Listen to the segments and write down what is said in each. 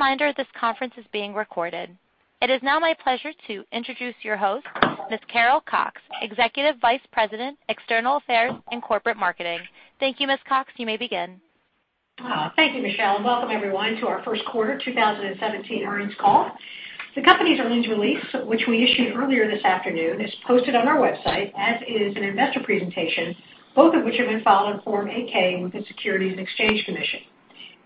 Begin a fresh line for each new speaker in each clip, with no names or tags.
A reminder that this conference is being recorded. It is now my pleasure to introduce your host, Ms. Carol Cox, Executive Vice President, External Affairs and Corporate Marketing. Thank you, Ms. Cox. You may begin.
Thank you, Michelle. Welcome, everyone, to our first quarter 2017 earnings call. The company's earnings release, which we issued earlier this afternoon, is posted on our website, as is an investor presentation, both of which have been filed on Form 8-K with the Securities and Exchange Commission.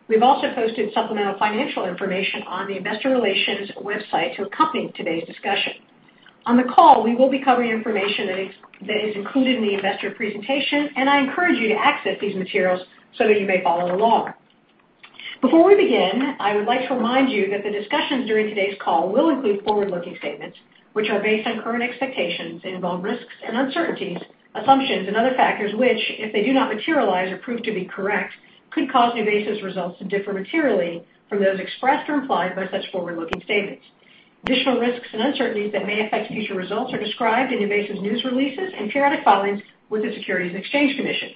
We've also posted supplemental financial information on the Investor Relations website to accompany today's discussion. On the call, we will be covering information that is included in the investor presentation, and I encourage you to access these materials so that you may follow along. Before we begin, I would like to remind you that the discussions during today's call will include forward-looking statements, which are based on current expectations, involve risks and uncertainties, assumptions, and other factors which, if they do not materialize or prove to be correct, could cause NuVasive's results to differ materially from those expressed or implied by such forward-looking statements. Additional risks and uncertainties that may affect future results are described in NuVasive's news releases and periodic filings with the Securities and Exchange Commission.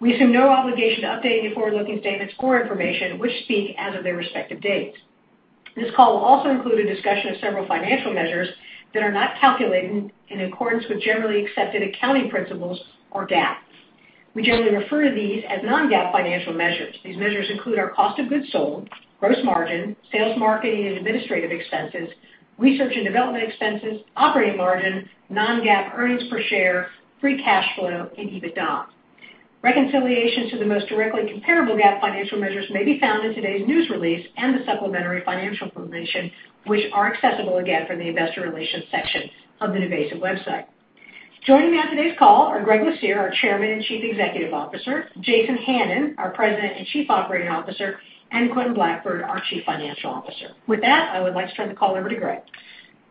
We assume no obligation to update any forward-looking statements or information which speak as of their respective dates. This call will also include a discussion of several financial measures that are not calculated in accordance with generally accepted accounting principles or GAAP. We generally refer to these as non-GAAP financial measures. These measures include our cost of goods sold, gross margin, sales, marketing and administrative expenses, research and development expenses, operating margin, non-GAAP earnings per share, free cash flow, and EBITDA. Reconciliations to the most directly comparable GAAP financial measures may be found in today's news release and the supplementary financial information, which are accessible again from the Investor Relations section of the NuVasive website. Joining me on today's call are Gregory Lucier, our Chairman and Chief Executive Officer, Jason Hannon, our President and Chief Operating Officer, and Quentin Blackford, our Chief Financial Officer. With that, I would like to turn the call over to Gregory.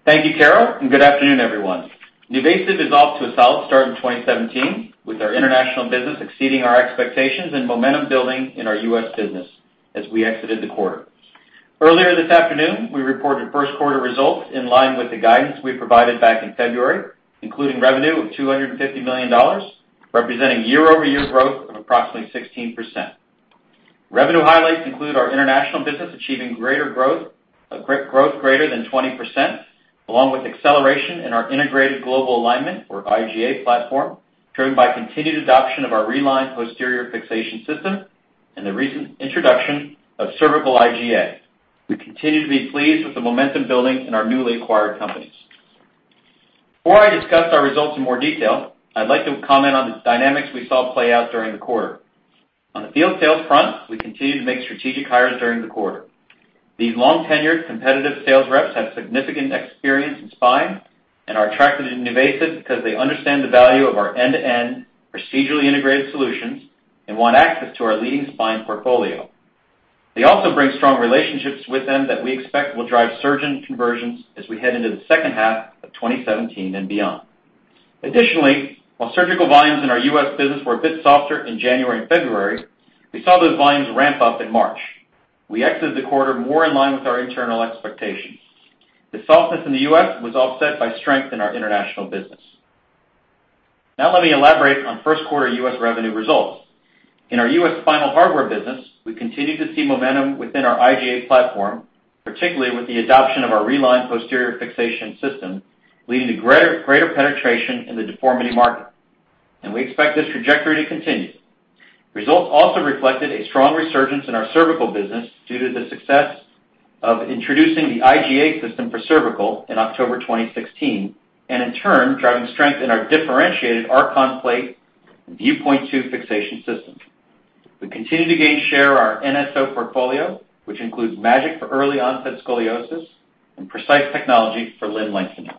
Thank you, Carol, and good afternoon, everyone. NuVasive is off to a solid start in 2017, with our international business exceeding our expectations and momentum building in our U.S. business as we exited the quarter. Earlier this afternoon, we reported first quarter results in line with the guidance we provided back in February, including revenue of $250 million, representing year-over-year growth of approximately 16%. Revenue highlights include our international business achieving greater growth, a growth greater than 20%, along with acceleration in our integrated global alignment, or IGA platform, driven by continued adoption of our Reline posterior fixation system and the recent introduction of cervical IGA. We continue to be pleased with the momentum building in our newly acquired companies. Before I discuss our results in more detail, I'd like to comment on the dynamics we saw play out during the quarter. On the field sales front, we continue to make strategic hires during the quarter. These long-tenured, competitive sales reps have significant experience in spine and are attracted to NuVasive because they understand the value of our end-to-end procedurally integrated solutions and want access to our leading spine portfolio. They also bring strong relationships with them that we expect will drive surge in conversions as we head into the second half of 2017 and beyond. Additionally, while surgical volumes in our U.S. business were a bit softer in January and February, we saw those volumes ramp up in March. We exited the quarter more in line with our internal expectations. The softness in the U.S. was offset by strength in our international business. Now, let me elaborate on first quarter U.S. revenue results. In our U.S. Spinal hardware business, we continue to see momentum within our IGA platform, particularly with the adoption of our Reline posterior fixation system, leading to greater penetration in the deformity market, and we expect this trajectory to continue. Results also reflected a strong resurgence in our cervical business due to the success of introducing the IGA system for cervical in October 2016 and, in turn, driving strength in our differentiated Archon plate and VuePoint-II fixation system. We continue to gain share in our NSO portfolio, which includes magic for early onset scoliosis and precise technology for limb lengthening.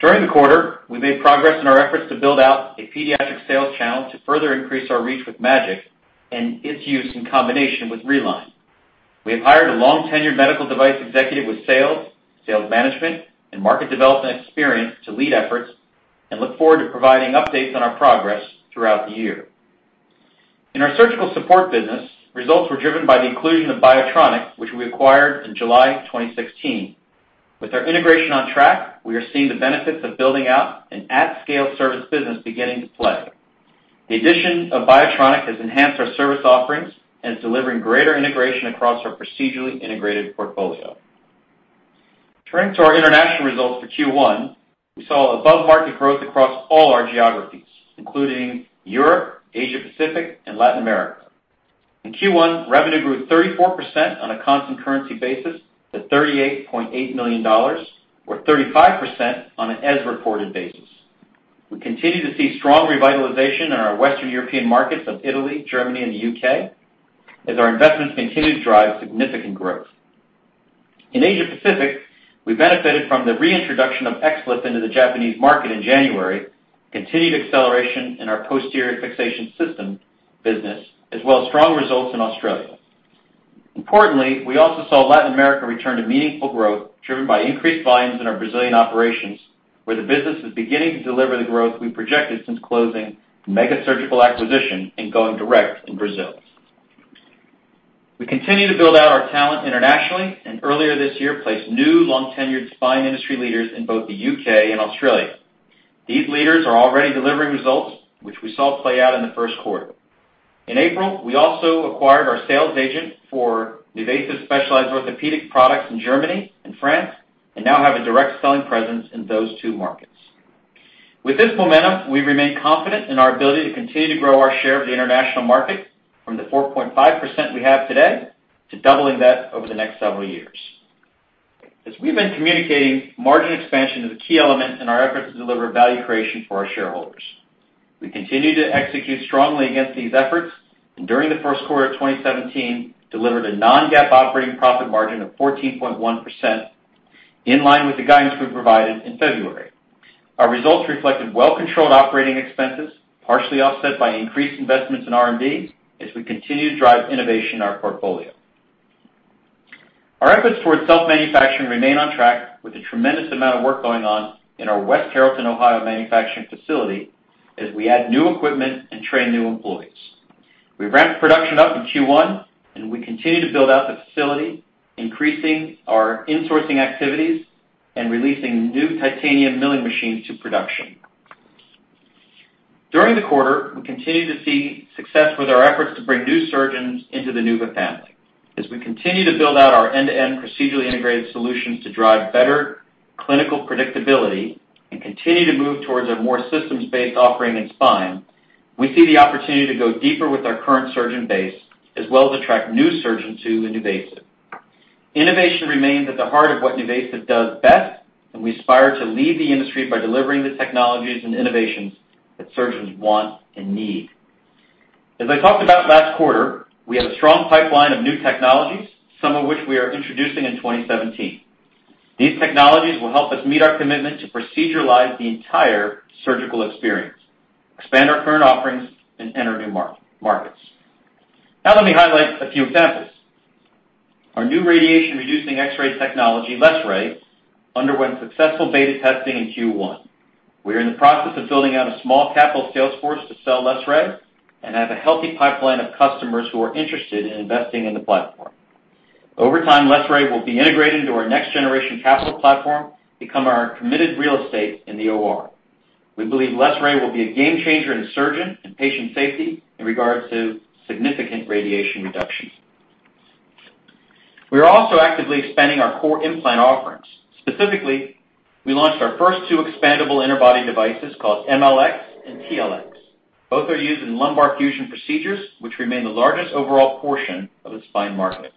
During the quarter, we made progress in our efforts to build out a pediatric sales channel to further increase our reach with MAGIC and its use in combination with Reline. We have hired a long-tenured medical device executive with sales, sales management, and market development experience to lead efforts and look forward to providing updates on our progress throughout the year. In our surgical support business, results were driven by the inclusion of Biotronic, which we acquired in July 2016. With our integration on track, we are seeing the benefits of building out an at-scale service business beginning to play. The addition of Biotronic has enhanced our service offerings and is delivering greater integration across our procedurally integrated portfolio. Turning to our international results for Q1, we saw above-market growth across all our geographies, including Europe, Asia Pacific, and Latin America. In Q1, revenue grew 34% on a constant currency basis to $38.8 million, or 35% on an as-reported basis. We continue to see strong revitalization in our Western European markets of Italy, Germany, and the U.K., as our investments continue to drive significant growth. In Asia Pacific, we benefited from the reintroduction of XLIF into the Japanese market in January, continued acceleration in our posterior fixation system business, as well as strong results in Australia. Importantly, we also saw Latin America return to meaningful growth driven by increased volumes in our Brazilian operations, where the business is beginning to deliver the growth we projected since closing Mega Surgical acquisition and going direct in Brazil. We continue to build out our talent internationally and, earlier this year, placed new long-tenured spine industry leaders in both the U.K. and Australia. These leaders are already delivering results, which we saw play out in the first quarter. In April, we also acquired our sales agent for NuVasive Specialized Orthopedics products in Germany and France and now have a direct selling presence in those two markets. With this momentum, we remain confident in our ability to continue to grow our share of the international market from the 4.5% we have today to doubling that over the next several years. As we've been communicating, margin expansion is a key element in our efforts to deliver value creation for our shareholders. We continue to execute strongly against these efforts and, during the first quarter of 2017, delivered a non-GAAP operating profit margin of 14.1% in line with the guidance we provided in February. Our results reflected well-controlled operating expenses, partially offset by increased investments in R&D, as we continue to drive innovation in our portfolio. Our efforts towards self-manufacturing remain on track, with a tremendous amount of work going on in our West Carrollton, Ohio, manufacturing facility as we add new equipment and train new employees. We ramped production up in Q1, and we continue to build out the facility, increasing our insourcing activities and releasing new titanium milling machines to production. During the quarter, we continue to see success with our efforts to bring new surgeons into the NuVasive family. As we continue to build out our end-to-end procedurally integrated solutions to drive better clinical predictability and continue to move towards a more systems-based offering in spine, we see the opportunity to go deeper with our current surgeon base, as well as attract new surgeons to NuVasive. Innovation remains at the heart of what NuVasive does best, and we aspire to lead the industry by delivering the technologies and innovations that surgeons want and need. As I talked about last quarter, we have a strong pipeline of new technologies, some of which we are introducing in 2017. These technologies will help us meet our commitment to proceduralize the entire surgical experience, expand our current offerings, and enter new markets. Now, let me highlight a few examples. Our new radiation-reducing X-ray technology, LessRay, underwent successful beta testing in Q1. We are in the process of building out a small capital sales force to sell LessRay and have a healthy pipeline of customers who are interested in investing in the platform. Over time, LessRay will be integrated into our next-generation capital platform and become our committed real estate in the OR. We believe LessRay will be a game-changer in surgeon and patient safety in regards to significant radiation reductions. We are also actively expanding our core implant offerings. Specifically, we launched our first two expandable interbody devices called MLX and TLX. Both are used in lumbar fusion procedures, which remain the largest overall portion of the spine market.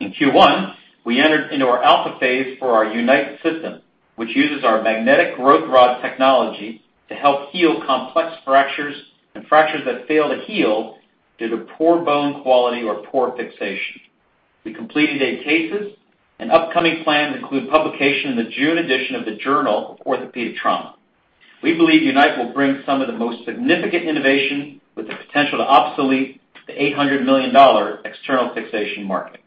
In Q1, we entered into our alpha phase for our UNITE system, which uses our magnetic growth rod technology to help heal complex fractures and fractures that fail to heal due to poor bone quality or poor fixation. We completed eight cases, and upcoming plans include publication in the June edition of the Journal of Orthopedic Trauma. We believe unite will bring some of the most significant innovation with the potential to obsolete the $800 million external fixation market.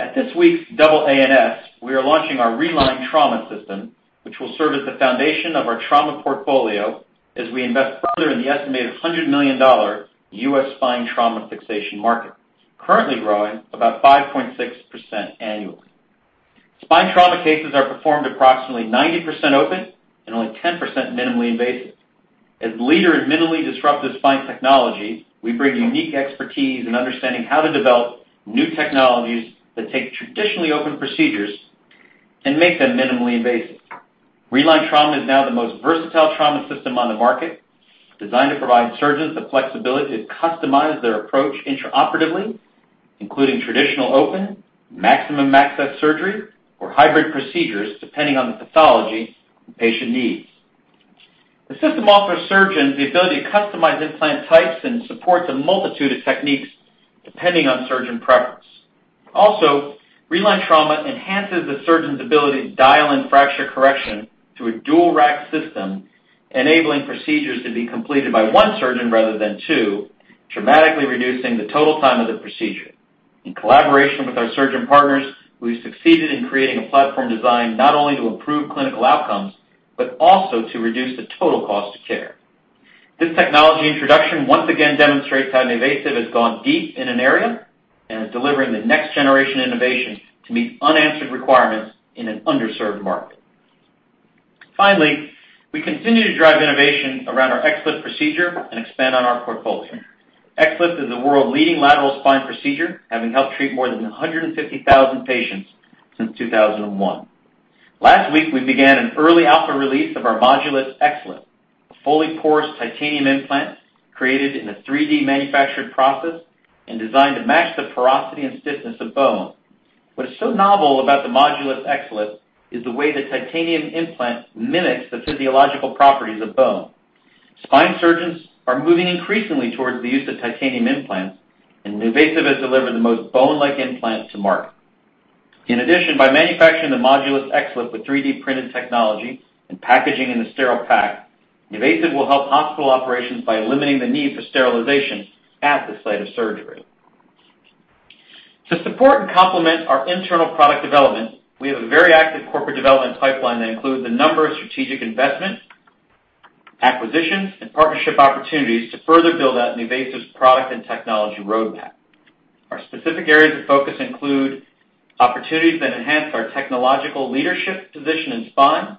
At this week's double A&S, we are launching our Reline trauma system, which will serve as the foundation of our trauma portfolio as we invest further in the estimated $100 million U.S. spine trauma fixation market, currently growing about 5.6% annually. Spine trauma cases are performed approximately 90% open and only 10% minimally invasive. As a leader in minimally disruptive spine technology, we bring unique expertise in understanding how to develop new technologies that take traditionally open procedures and make them minimally invasive. Reline trauma is now the most versatile trauma system on the market, designed to provide surgeons the flexibility to customize their approach intraoperatively, including traditional open, maximum access surgery, or hybrid procedures depending on the pathology the patient needs. The system offers surgeons the ability to customize implant types and supports a multitude of techniques depending on surgeon preference. Also, Reline trauma enhances the surgeon's ability to dial in fracture correction through a dual-rack system, enabling procedures to be completed by one surgeon rather than two, dramatically reducing the total time of the procedure. In collaboration with our surgeon partners, we have succeeded in creating a platform designed not only to improve clinical outcomes but also to reduce the total cost of care. This technology introduction once again demonstrates how NuVasive has gone deep in an area and is delivering the next-generation innovation to meet unanswered requirements in an underserved market. Finally, we continue to drive innovation around our XLIF procedure and expand on our portfolio. XLIF is the world's leading lateral spine procedure, having helped treat more than 150,000 patients since 2001. Last week, we began an early alpha release of our Modulus XLIF, a fully porous titanium implant created in a 3D manufactured process and designed to match the porosity and stiffness of bone. What is so novel about the Modulus XLIF is the way the titanium implant mimics the physiological properties of bone. Spine surgeons are moving increasingly towards the use of titanium implants, and NuVasive has delivered the most bone-like implant to market. In addition, by manufacturing the Modulus XLIF with 3D printed technology and packaging in the sterile pack, NuVasive will help hospital operations by eliminating the need for sterilization at the site of surgery. To support and complement our internal product development, we have a very active corporate development pipeline that includes a number of strategic investments, acquisitions, and partnership opportunities to further build out NuVasive's product and technology roadmap. Our specific areas of focus include opportunities that enhance our technological leadership position in spine,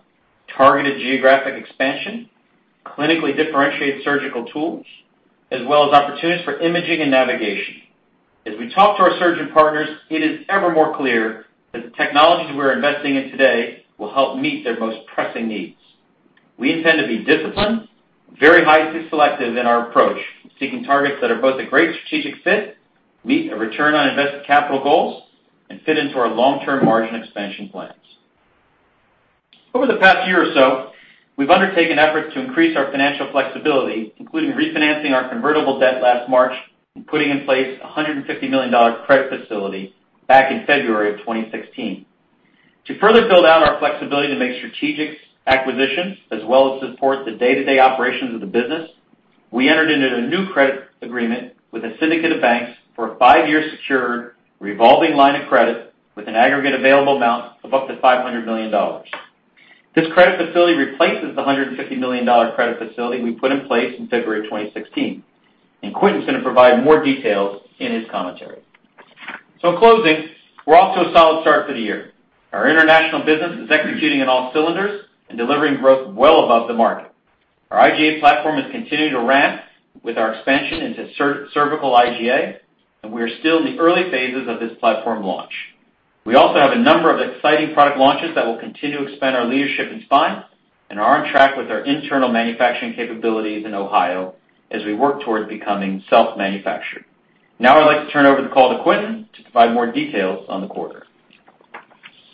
targeted geographic expansion, clinically differentiated surgical tools, as well as opportunities for imaging and navigation. As we talk to our surgeon partners, it is ever more clear that the technologies we are investing in today will help meet their most pressing needs. We intend to be disciplined, very highly selective in our approach, seeking targets that are both a great strategic fit, meet a return on invested capital goals, and fit into our long-term margin expansion plans. Over the past year or so, we've undertaken efforts to increase our financial flexibility, including refinancing our convertible debt last March and putting in place a $150 million credit facility back in February of 2016. To further build out our flexibility to make strategic acquisitions as well as support the day-to-day operations of the business, we entered into a new credit agreement with a syndicate of banks for a five-year secured revolving line of credit with an aggregate available amount of up to $500 million. This credit facility replaces the $150 million credit facility we put in place in February 2016, and Quentin's going to provide more details in his commentary. In closing, we're off to a solid start for the year. Our international business is executing in all cylinders and delivering growth well above the market. Our IGA platform is continuing to ramp with our expansion into cervical IGA, and we are still in the early phases of this platform launch. We also have a number of exciting product launches that will continue to expand our leadership in spine and are on track with our internal manufacturing capabilities in Ohio as we work towards becoming self-manufactured. Now, I'd like to turn over the call to Quentin to provide more details on the quarter.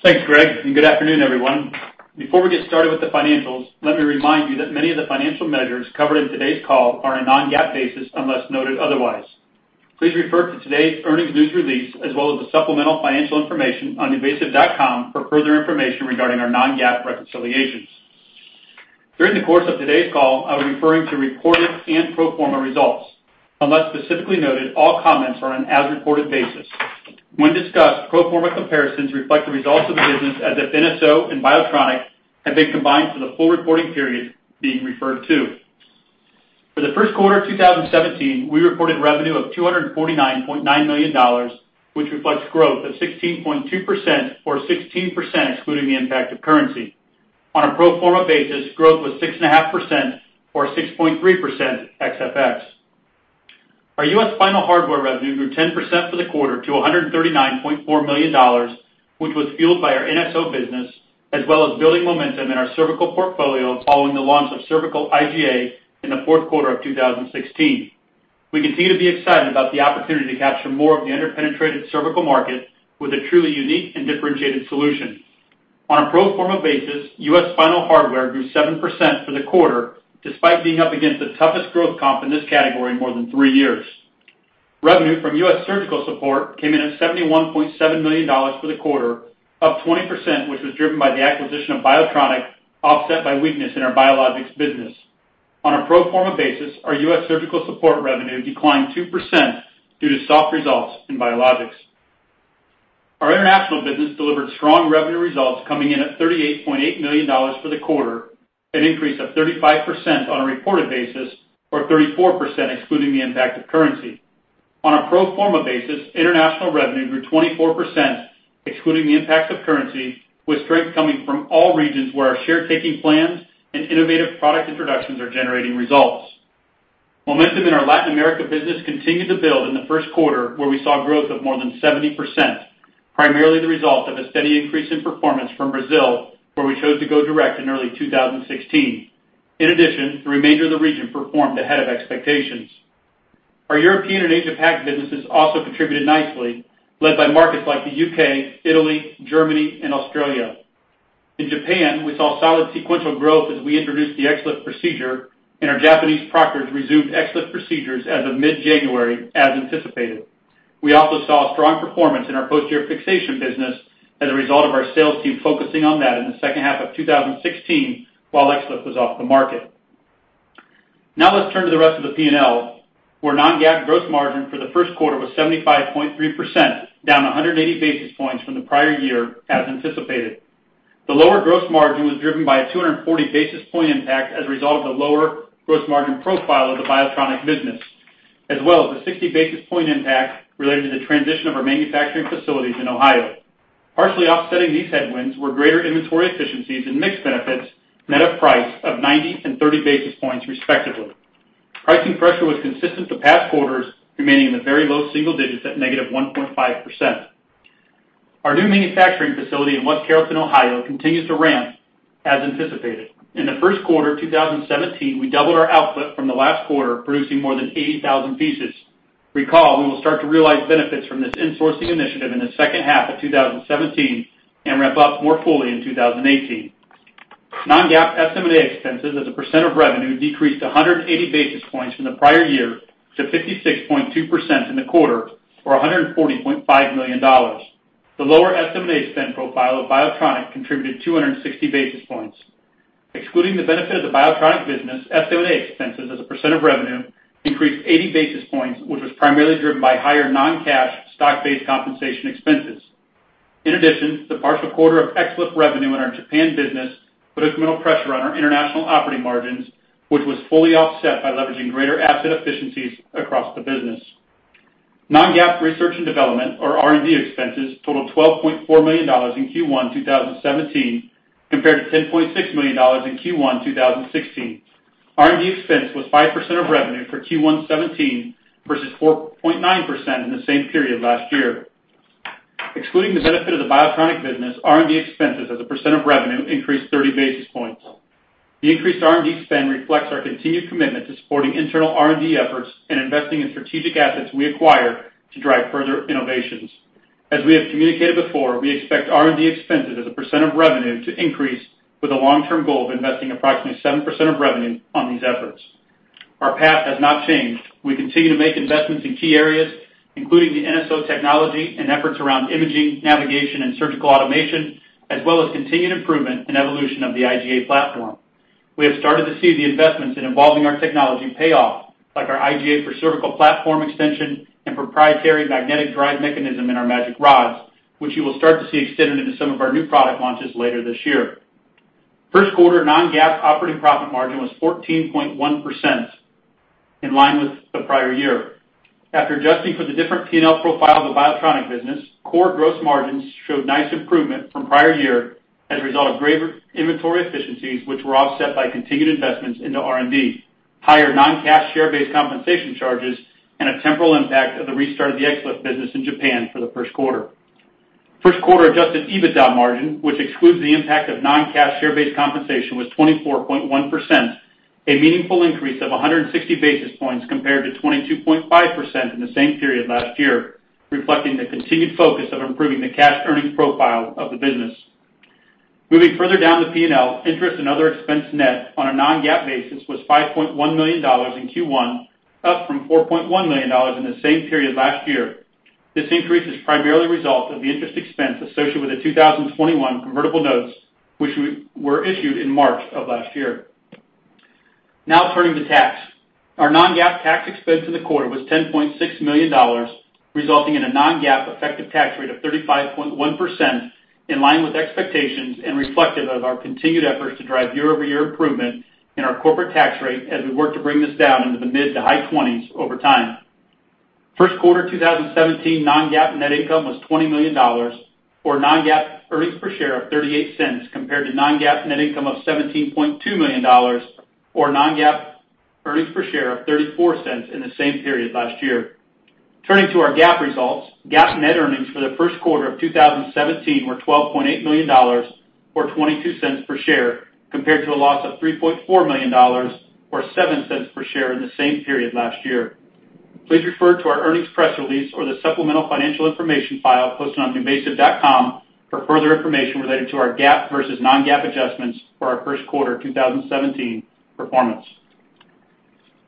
Thanks, Greg, and good afternoon, everyone. Before we get started with the financials, let me remind you that many of the financial measures covered in today's call are on a non-GAAP basis unless noted otherwise. Please refer to today's earnings news release as well as the supplemental financial information on NuVasive.com for further information regarding our non-GAAP reconciliations. During the course of today's call, I was referring to reported and pro forma results, unless specifically noted, all comments are on an as-reported basis. When discussed, pro forma comparisons reflect the results of the business as if NSO and Biotronic have been combined for the full reporting period being referred to. For the first quarter of 2017, we reported revenue of $249.9 million, which reflects growth of 16.2% or 16% excluding the impact of currency. On a pro forma basis, growth was 6.5% or 6.3% XFX. Our U.S. Final hardware revenue grew 10% for the quarter to $139.4 million, which was fueled by our NSO business as well as building momentum in our cervical portfolio following the launch of cervical IGA in the fourth quarter of 2016. We continue to be excited about the opportunity to capture more of the under-penetrated cervical market with a truly unique and differentiated solution. On a pro forma basis, U.S. final hardware grew 7% for the quarter despite being up against the toughest growth comp in this category in more than three years. Revenue from U.S. surgical support came in at $71.7 million for the quarter, up 20%, which was driven by the acquisition of Biotronic, offset by weakness in our biologics business. On a pro forma basis, our U.S. surgical support revenue declined 2% due to soft results in biologics. Our international business delivered strong revenue results coming in at $38.8 million for the quarter, an increase of 35% on a reported basis or 34% excluding the impact of currency. On a pro forma basis, international revenue grew 24% excluding the impact of currency, with strength coming from all regions where our share-taking plans and innovative product introductions are generating results. Momentum in our Latin America business continued to build in the first quarter, where we saw growth of more than 70%, primarily the result of a steady increase in performance from Brazil, where we chose to go direct in early 2016. In addition, the remainder of the region performed ahead of expectations. Our European and Asia-Pacific businesses also contributed nicely, led by markets like the U.K., Italy, Germany, and Australia. In Japan, we saw solid sequential growth as we introduced the XLIF procedure, and our Japanese proctors resumed XLIF procedures as of mid-January as anticipated. We also saw strong performance in our posterior fixation business as a result of our sales team focusing on that in the second half of 2016 while XLIF was off the market. Now, let's turn to the rest of the P&L, where non-GAAP gross margin for the first quarter was 75.3%, down 180 basis points from the prior year as anticipated. The lower gross margin was driven by a 240 basis point impact as a result of the lower gross margin profile of the Biotronic business, as well as the 60 basis point impact related to the transition of our manufacturing facilities in Ohio. Partially offsetting these headwinds were greater inventory efficiencies and mixed benefits net of price of 90 and 30 basis points respectively. Pricing pressure was consistent the past quarters, remaining in the very low single digits at negative 1.5%. Our new manufacturing facility in West Carrollton, Ohio, continues to ramp as anticipated. In the first quarter of 2017, we doubled our output from the last quarter, producing more than 80,000 pieces. Recall, we will start to realize benefits from this insourcing initiative in the second half of 2017 and ramp up more fully in 2018. Non-GAAP estimated expenses as a percent of revenue decreased 180 basis points from the prior year to 56.2% in the quarter or $140.5 million. The lower estimated expense profile of Biotronic contributed 260 basis points. Excluding the benefit of the Biotronic business, estimated expenses as a percent of revenue increased 80 basis points, which was primarily driven by higher non-cash stock-based compensation expenses. In addition, the partial quarter of XLIF revenue in our Japan business put a criminal pressure on our international operating margins, which was fully offset by leveraging greater asset efficiencies across the business. Non-GAAP research and development, or R&D expenses, totaled $12.4 million in Q1 2017 compared to $10.6 million in Q1 2016. R&D expense was 5% of revenue for Q1 2017 versus 4.9% in the same period last year. Excluding the benefit of the Biotronic business, R&D expenses as a percent of revenue increased 30 basis points. The increased R&D spend reflects our continued commitment to supporting internal R&D efforts and investing in strategic assets we acquire to drive further innovations. As we have communicated before, we expect R&D expenses as a percent of revenue to increase with a long-term goal of investing approximately 7% of revenue on these efforts. Our path has not changed. We continue to make investments in key areas, including the NSO technology and efforts around imaging, navigation, and surgical automation, as well as continued improvement and evolution of the IGA platform. We have started to see the investments in evolving our technology payoff, like our IGA for cervical platform extension and proprietary magnetic drive mechanism in our MAGIC rods, which you will start to see extended into some of our new product launches later this year. First quarter non-GAAP operating profit margin was 14.1% in line with the prior year. After adjusting for the different P&L profile of the Biotronic business, core gross margins showed nice improvement from prior year as a result of greater inventory efficiencies, which were offset by continued investments into R&D, higher non-cash share-based compensation charges, and a temporal impact of the restart of the XLIF business in Japan for the first quarter. First quarter adjusted EBITDA margin, which excludes the impact of non-cash share-based compensation, was 24.1%, a meaningful increase of 160 basis points compared to 22.5% in the same period last year, reflecting the continued focus of improving the cash earnings profile of the business. Moving further down the P&L, interest and other expense net on a non-GAAP basis was $5.1 million in Q1, up from $4.1 million in the same period last year. This increase is primarily a result of the interest expense associated with the 2021 convertible notes, which were issued in March of last year. Now, turning to tax, our non-GAAP tax expense in the quarter was $10.6 million, resulting in a non-GAAP effective tax rate of 35.1% in line with expectations and reflective of our continued efforts to drive year-over-year improvement in our corporate tax rate as we work to bring this down into the mid to high 20s over time. First quarter 2017 non-GAAP net income was $20 million, or non-GAAP earnings per share of $0.38, compared to non-GAAP net income of $17.2 million, or non-GAAP earnings per share of $0.34 in the same period last year. Turning to our GAAP results, GAAP net earnings for the first quarter of 2017 were $12.8 million, or $0.22 per share, compared to a loss of $3.4 million, or $0.07 per share in the same period last year. Please refer to our earnings press release or the supplemental financial information file posted on NuVasive.com for further information related to our GAAP versus non-GAAP adjustments for our first quarter 2017 performance.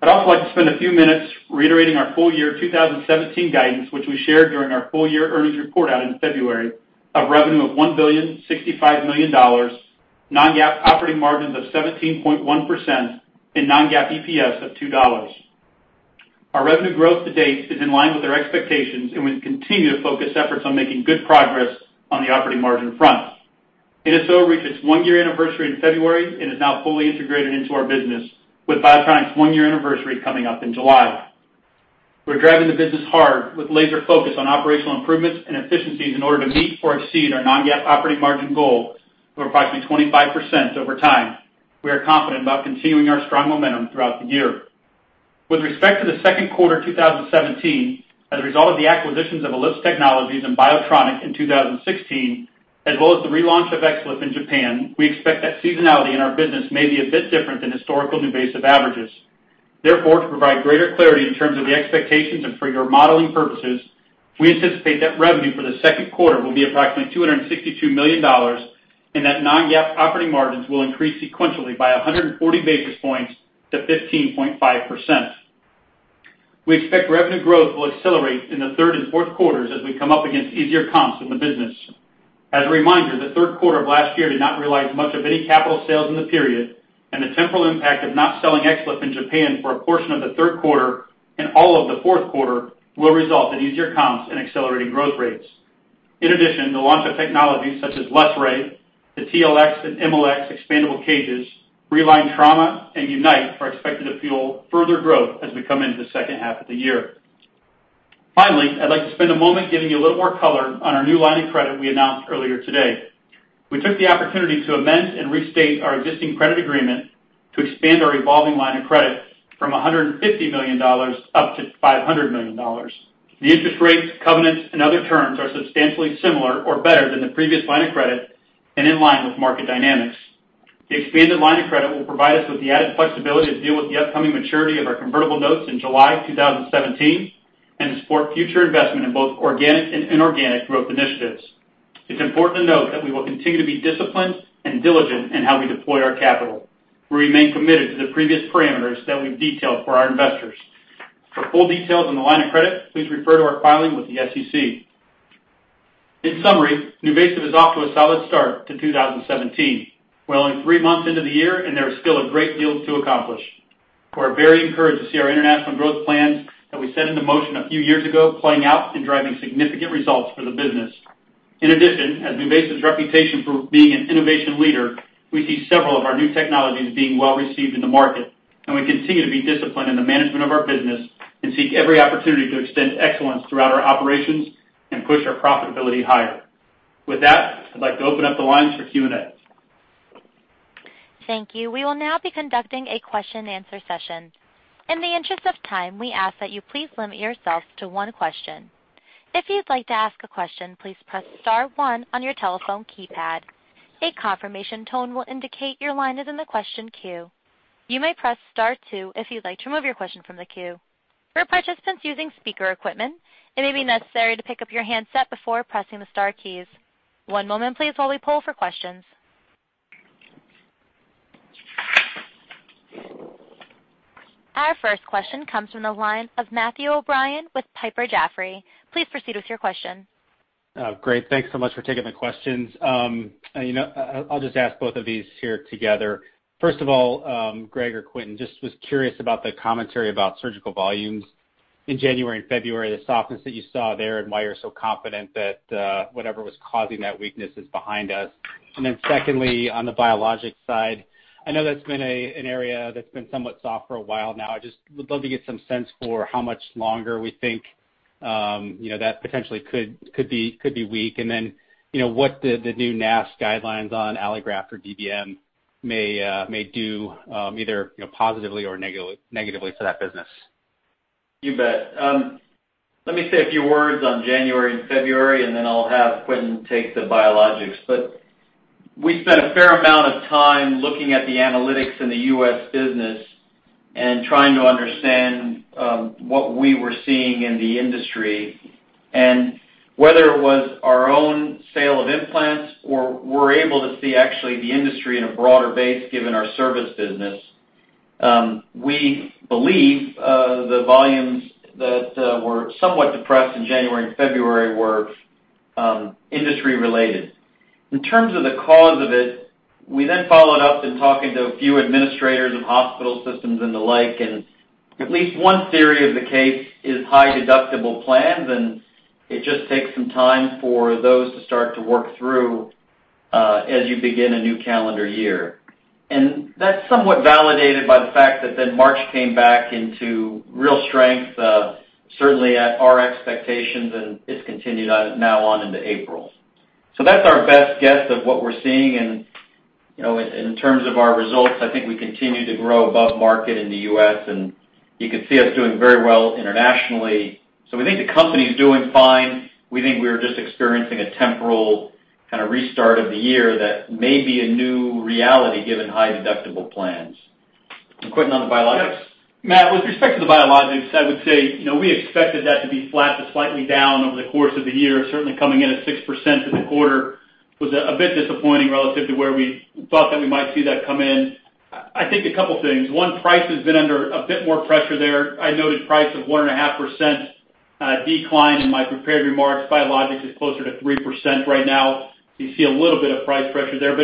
I'd also like to spend a few minutes reiterating our full year 2017 guidance, which we shared during our full year earnings report out in February, of revenue of $1,065 million, non-GAAP operating margins of 17.1%, and non-GAAP EPS of $2. Our revenue growth to date is in line with our expectations and will continue to focus efforts on making good progress on the operating margin front. NSO reached its one-year anniversary in February and is now fully integrated into our business, with Biotronic's one-year anniversary coming up in July. We're driving the business hard with laser focus on operational improvements and efficiencies in order to meet or exceed our non-GAAP operating margin goal of approximately 25% over time. We are confident about continuing our strong momentum throughout the year. With respect to the second quarter 2017, as a result of the acquisitions of Ellipse Technologies and Biotronic in 2016, as well as the relaunch of XLIF in Japan, we expect that seasonality in our business may be a bit different than historical NuVasive averages. Therefore, to provide greater clarity in terms of the expectations and for your modeling purposes, we anticipate that revenue for the second quarter will be approximately $262 million and that non-GAAP operating margins will increase sequentially by 140 basis points to 15.5%. We expect revenue growth will accelerate in the third and fourth quarters as we come up against easier comps in the business. As a reminder, the third quarter of last year did not realize much of any capital sales in the period, and the temporal impact of not selling XLIF in Japan for a portion of the third quarter and all of the fourth quarter will result in easier comps and accelerating growth rates. In addition, the launch of technologies such as LessRay, the TLX and MLX expandable cages, Reline Trauma, and UNITE are expected to fuel further growth as we come into the second half of the year. Finally, I'd like to spend a moment giving you a little more color on our new line of credit we announced earlier today. We took the opportunity to amend and restate our existing credit agreement to expand our evolving line of credit from $150 million up to $500 million. The interest rates, covenants, and other terms are substantially similar or better than the previous line of credit and in line with market dynamics. The expanded line of credit will provide us with the added flexibility to deal with the upcoming maturity of our convertible notes in July 2017 and to support future investment in both organic and inorganic growth initiatives. It's important to note that we will continue to be disciplined and diligent in how we deploy our capital. We remain committed to the previous parameters that we've detailed for our investors. For full details on the line of credit, please refer to our filing with the Securities and Exchange Commission. In summary, NuVasive is off to a solid start to 2017. We're only three months into the year, and there is still a great deal to accomplish. We're very encouraged to see our international growth plans that we set into motion a few years ago playing out and driving significant results for the business. In addition, as NuVasive's reputation for being an innovation leader, we see several of our new technologies being well received in the market, and we continue to be disciplined in the management of our business and seek every opportunity to extend excellence throughout our operations and push our profitability higher. With that, I'd like to open up the lines for Q&A.
Thank you. We will now be conducting a question-and-answer session. In the interest of time, we ask that you please limit yourself to one question. If you'd like to ask a question, please press Star 1 on your telephone keypad. A confirmation tone will indicate your line is in the question queue. You may press Star 2 if you'd like to remove your question from the queue. For participants using speaker equipment, it may be necessary to pick up your handset before pressing the Star keys. One moment, please, while we pull for questions. Our first question comes from the line of Matthew O'Brien with Piper Jaffray. Please proceed with your question.
Great. Thanks so much for taking the questions. I'll just ask both of these here together. First of all, Greg or Quentin, just was curious about the commentary about surgical volumes in January and February, the softness that you saw there, and why you're so confident that whatever was causing that weakness is behind us. Then secondly, on the biologic side, I know that's been an area that's been somewhat soft for a while now. I just would love to get some sense for how much longer we think that potentially could be weak, and then what the new NAS guidelines on allograft or DBM may do either positively or negatively for that business.
You bet. Let me say a few words on January and February, and then I'll have Quentin take the biologics. We spent a fair amount of time looking at the analytics in the U.S. business and trying to understand what we were seeing in the industry and whether it was our own sale of implants or we're able to see actually the industry in a broader base given our service business. We believe the volumes that were somewhat depressed in January and February were industry-related. In terms of the cause of it, we then followed up in talking to a few administrators of hospital systems and the like, and at least one theory of the case is high deductible plans, and it just takes some time for those to start to work through as you begin a new calendar year. That is somewhat validated by the fact that March came back into real strength, certainly at our expectations, and it has continued now on into April. That is our best guess of what we are seeing. In terms of our results, I think we continue to grow above market in the U.S., and you could see us doing very well internationally. We think the company is doing fine. We think we are just experiencing a temporal kind of restart of the year that may be a new reality given high deductible plans. Quentin on the biologics?
Matt, with respect to the biologics, I would say we expected that to be flat to slightly down over the course of the year. Certainly, coming in at 6% for the quarter was a bit disappointing relative to where we thought that we might see that come in. I think a couple of things. One, price has been under a bit more pressure there. I noted price of 1.5% decline in my prepared remarks. Biologics is closer to 3% right now. You see a little bit of price pressure there.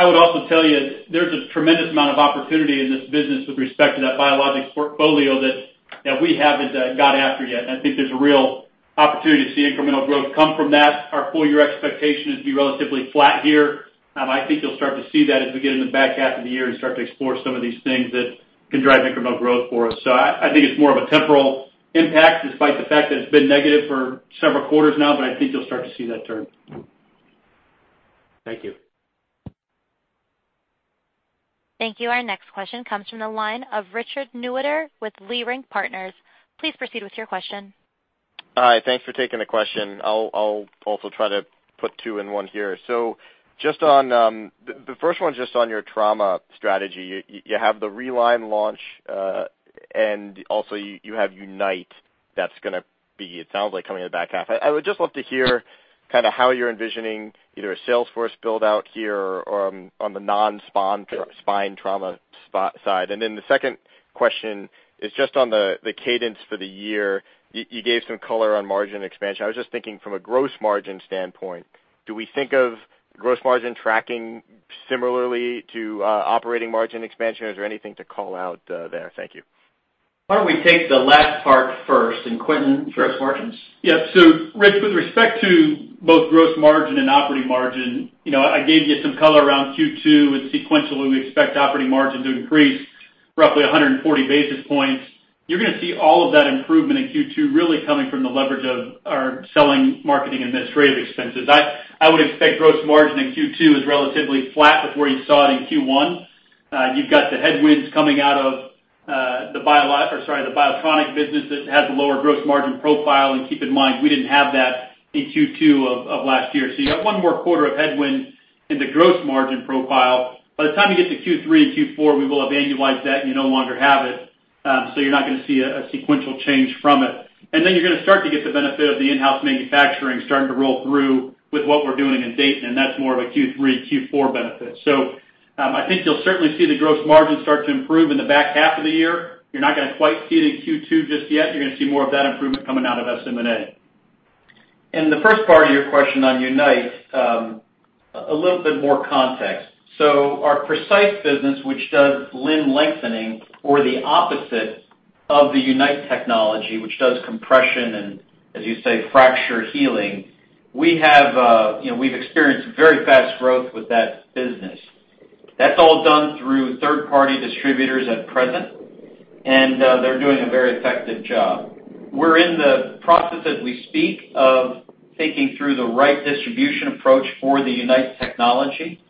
I would also tell you there is a tremendous amount of opportunity in this business with respect to that biologics portfolio that we have not got after yet. I think there is a real opportunity to see incremental growth come from that. Our full year expectation is to be relatively flat here. I think you'll start to see that as we get in the back half of the year and start to explore some of these things that can drive incremental growth for us. I think it's more of a temporal impact despite the fact that it's been negative for several quarters now, but I think you'll start to see that turn.
Thank you.
Thank you. Our next question comes from the line of Richard Neueder with Lerink Partners. Please proceed with your question. Hi. Thanks for taking the question. I'll also try to put two in one here. The first one is just on your trauma strategy. You have the Reline launch, and also you have Unite that's going to be, it sounds like, coming in the back half. I would just love to hear kind of how you're envisioning either a Salesforce build-out here or on the non-spine trauma side. The second question is just on the cadence for the year. You gave some color on margin expansion. I was just thinking from a gross margin standpoint, do we think of gross margin tracking similarly to operating margin expansion? Is there anything to call out there? Thank you.
Why don't we take the last part first? And Quinton, gross margins? Yeah. So Rich, with respect to both gross margin and operating margin, I gave you some color around Q2 and sequentially we expect operating margin to increase roughly 140 basis points. You're going to see all of that improvement in Q2 really coming from the leverage of our selling, marketing, and administrative expenses. I would expect gross margin in Q2 is relatively flat with where you saw it in Q1. You've got the headwinds coming out of the Biotronic business that has a lower gross margin profile. And keep in mind, we didn't have that in Q2 of last year. So you got one more quarter of headwind in the gross margin profile. By the time you get to Q3 and Q4, we will have annualized that and you no longer have it. You're not going to see a sequential change from it. You're going to start to get the benefit of the in-house manufacturing starting to roll through with what we're doing in Dayton, and that's more of a Q3, Q4 benefit. I think you'll certainly see the gross margin start to improve in the back half of the year. You're not going to quite see it in Q2 just yet. You're going to see more of that improvement coming out of SM&A.
The first part of your question on Unite, a little bit more context. Our PRECICE business, which does limb lengthening, or the opposite of the Unite technology, which does compression and, as you say, fracture healing, we've experienced very fast growth with that business. That's all done through third-party distributors at present, and they're doing a very effective job. We're in the process as we speak of thinking through the right distribution approach for the Unite technology.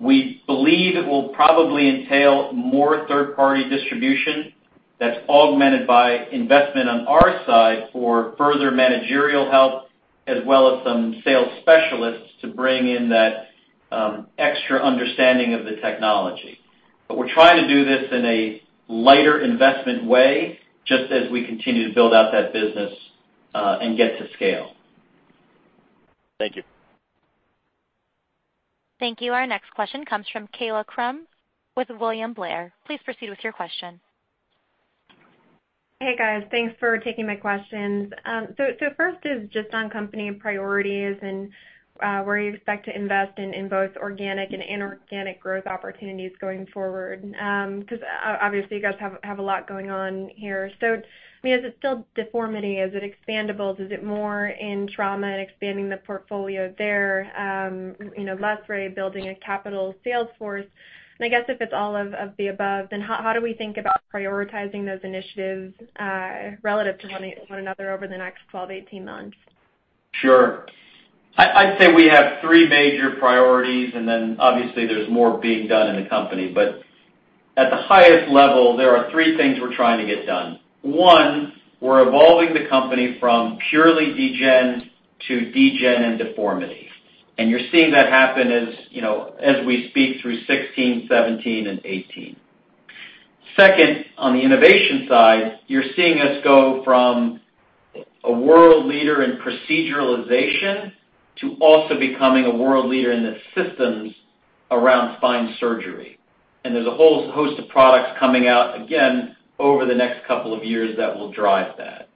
We believe it will probably entail more third-party distribution that's augmented by investment on our side for further managerial help as well as some sales specialists to bring in that extra understanding of the technology. We're trying to do this in a lighter investment way just as we continue to build out that business and get to scale. Thank you.
Thank you. Our next question comes from Kayla Crumb with William Blair. Please proceed with your question. Hey, guys. Thanks for taking my questions. First is just on company priorities and where you expect to invest in both organic and inorganic growth opportunities going forward because obviously you guys have a lot going on here. I mean, is it still deformity? Is it expandable? Is it more in trauma and expanding the portfolio there, LessRay, building a capital Salesforce? I guess if it's all of the above, then how do we think about prioritizing those initiatives relative to one another over the next 12, 18 months?
Sure. I'd say we have three major priorities, and then obviously there's more being done in the company. At the highest level, there are three things we're trying to get done. One, we're evolving the company from purely degen to degen and deformity. You're seeing that happen as we speak through 2016, 2017, and 2018. Second, on the innovation side, you're seeing us go from a world leader in proceduralization to also becoming a world leader in the systems around spine surgery. There's a whole host of products coming out again over the next couple of years that will drive that.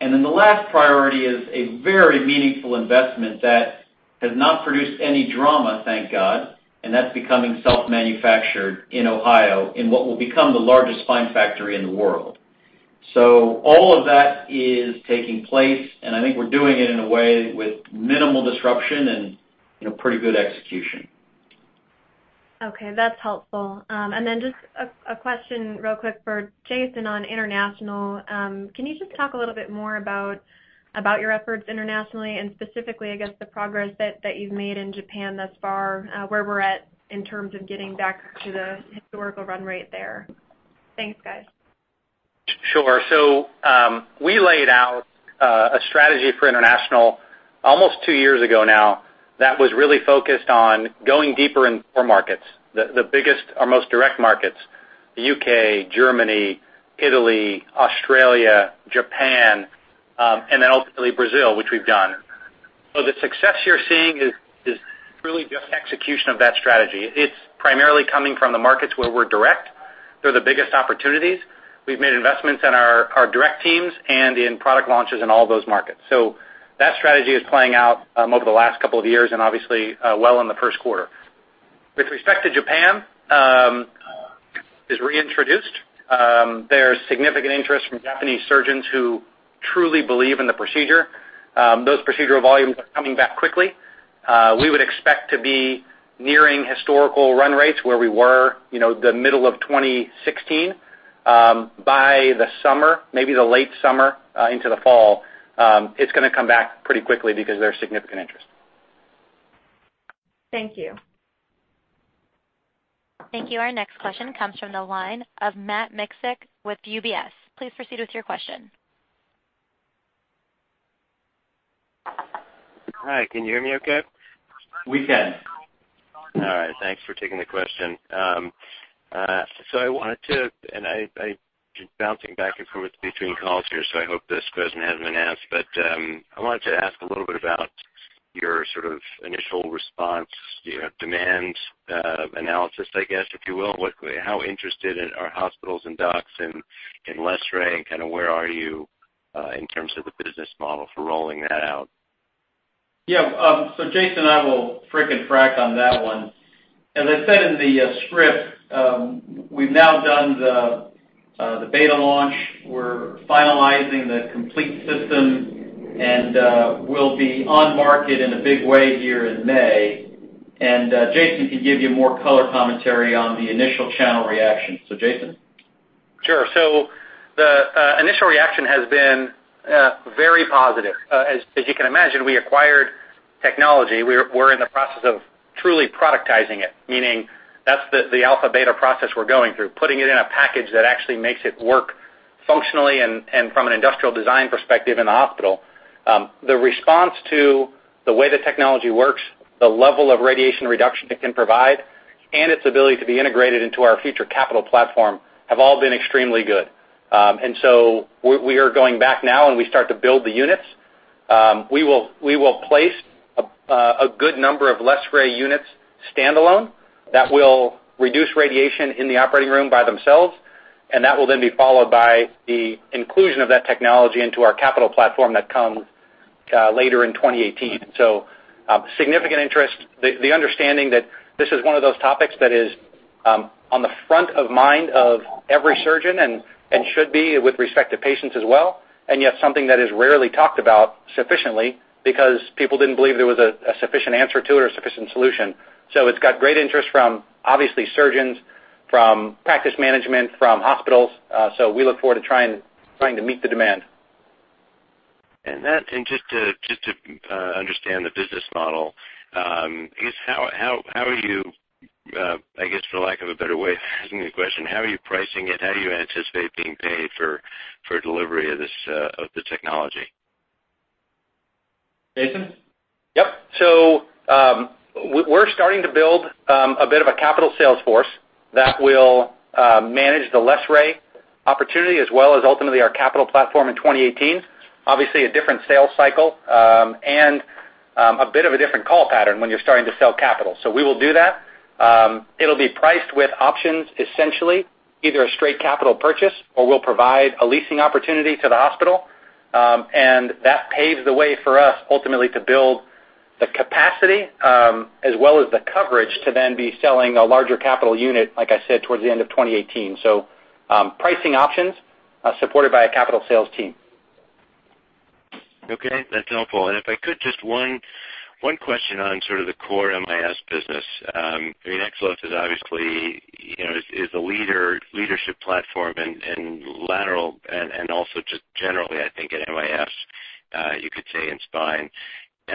The last priority is a very meaningful investment that has not produced any drama, thank God, and that's becoming self-manufactured in Ohio in what will become the largest spine factory in the world. All of that is taking place, and I think we're doing it in a way with minimal disruption and pretty good execution. Okay. That's helpful. And then just a question real quick for Jason on international. Can you just talk a little bit more about your efforts internationally and specifically, I guess, the progress that you've made in Japan thus far, where we're at in terms of getting back to the historical run rate there? Thanks, guys.
Sure. We laid out a strategy for international almost two years ago now that was really focused on going deeper in four markets, the biggest or most direct markets: the U.K., Germany, Italy, Australia, Japan, and then ultimately Brazil, which we've done. The success you're seeing is really just execution of that strategy. It's primarily coming from the markets where we're direct through the biggest opportunities. We've made investments in our direct teams and in product launches in all those markets. That strategy is playing out over the last couple of years and obviously well in the first quarter. With respect to Japan, it's reintroduced. There's significant interest from Japanese surgeons who truly believe in the procedure. Those procedural volumes are coming back quickly. We would expect to be nearing historical run rates where we were the middle of 2016. By the summer, maybe the late summer into the fall, it's going to come back pretty quickly because there's significant interest. Thank you.
Thank you. Our next question comes from the line of Matt Miksic with UBS. Please proceed with your question.
Hi. Can you hear me okay? We can. All right. Thanks for taking the question. So I wanted to—and I'm just bouncing back and forth between calls here, so I hope this question hasn't been asked—but I wanted to ask a little bit about your sort of initial response, demand analysis, I guess, if you will. How interested are hospitals and docs in Lessray and kind of where are you in terms of the business model for rolling that out?
Yeah. So Jason and I will frickin' frack on that one. As I said in the script, we've now done the beta launch. We're finalizing the complete system and will be on market in a big way here in May. Jason can give you more color commentary on the initial channel reaction. Jason?
Sure. The initial reaction has been very positive. As you can imagine, we acquired technology. We're in the process of truly productizing it, meaning that's the alpha beta process we're going through, putting it in a package that actually makes it work functionally and from an industrial design perspective in the hospital. The response to the way the technology works, the level of radiation reduction it can provide, and its ability to be integrated into our future capital platform have all been extremely good. We are going back now and we start to build the units. We will place a good number of LessRay units standalone that will reduce radiation in the operating room by themselves, and that will then be followed by the inclusion of that technology into our capital platform that comes later in 2018. Significant interest, the understanding that this is one of those topics that is on the front of mind of every surgeon and should be with respect to patients as well, yet something that is rarely talked about sufficiently because people did not believe there was a sufficient answer to it or sufficient solution. It has great interest from obviously surgeons, from practice management, from hospitals. We look forward to trying to meet the demand.
Just to understand the business model, I guess how are you, I guess for lack of a better way of asking the question, how are you pricing it? How do you anticipate being paid for delivery of the technology?
Jason?
Yep. We are starting to build a bit of a capital Salesforce that will manage the Lessray opportunity as well as ultimately our capital platform in 2018. Obviously, a different sales cycle and a bit of a different call pattern when you're starting to sell capital. We will do that. It'll be priced with options essentially, either a straight capital purchase or we'll provide a leasing opportunity to the hospital. That paves the way for us ultimately to build the capacity as well as the coverage to then be selling a larger capital unit, like I said, towards the end of 2018. Pricing options supported by a capital sales team.
Okay. That's helpful. If I could, just one question on sort of the core MIS business. I mean, XLIF is obviously the leadership platform in lateral and also just generally, I think, at MIS, you could say, in spine.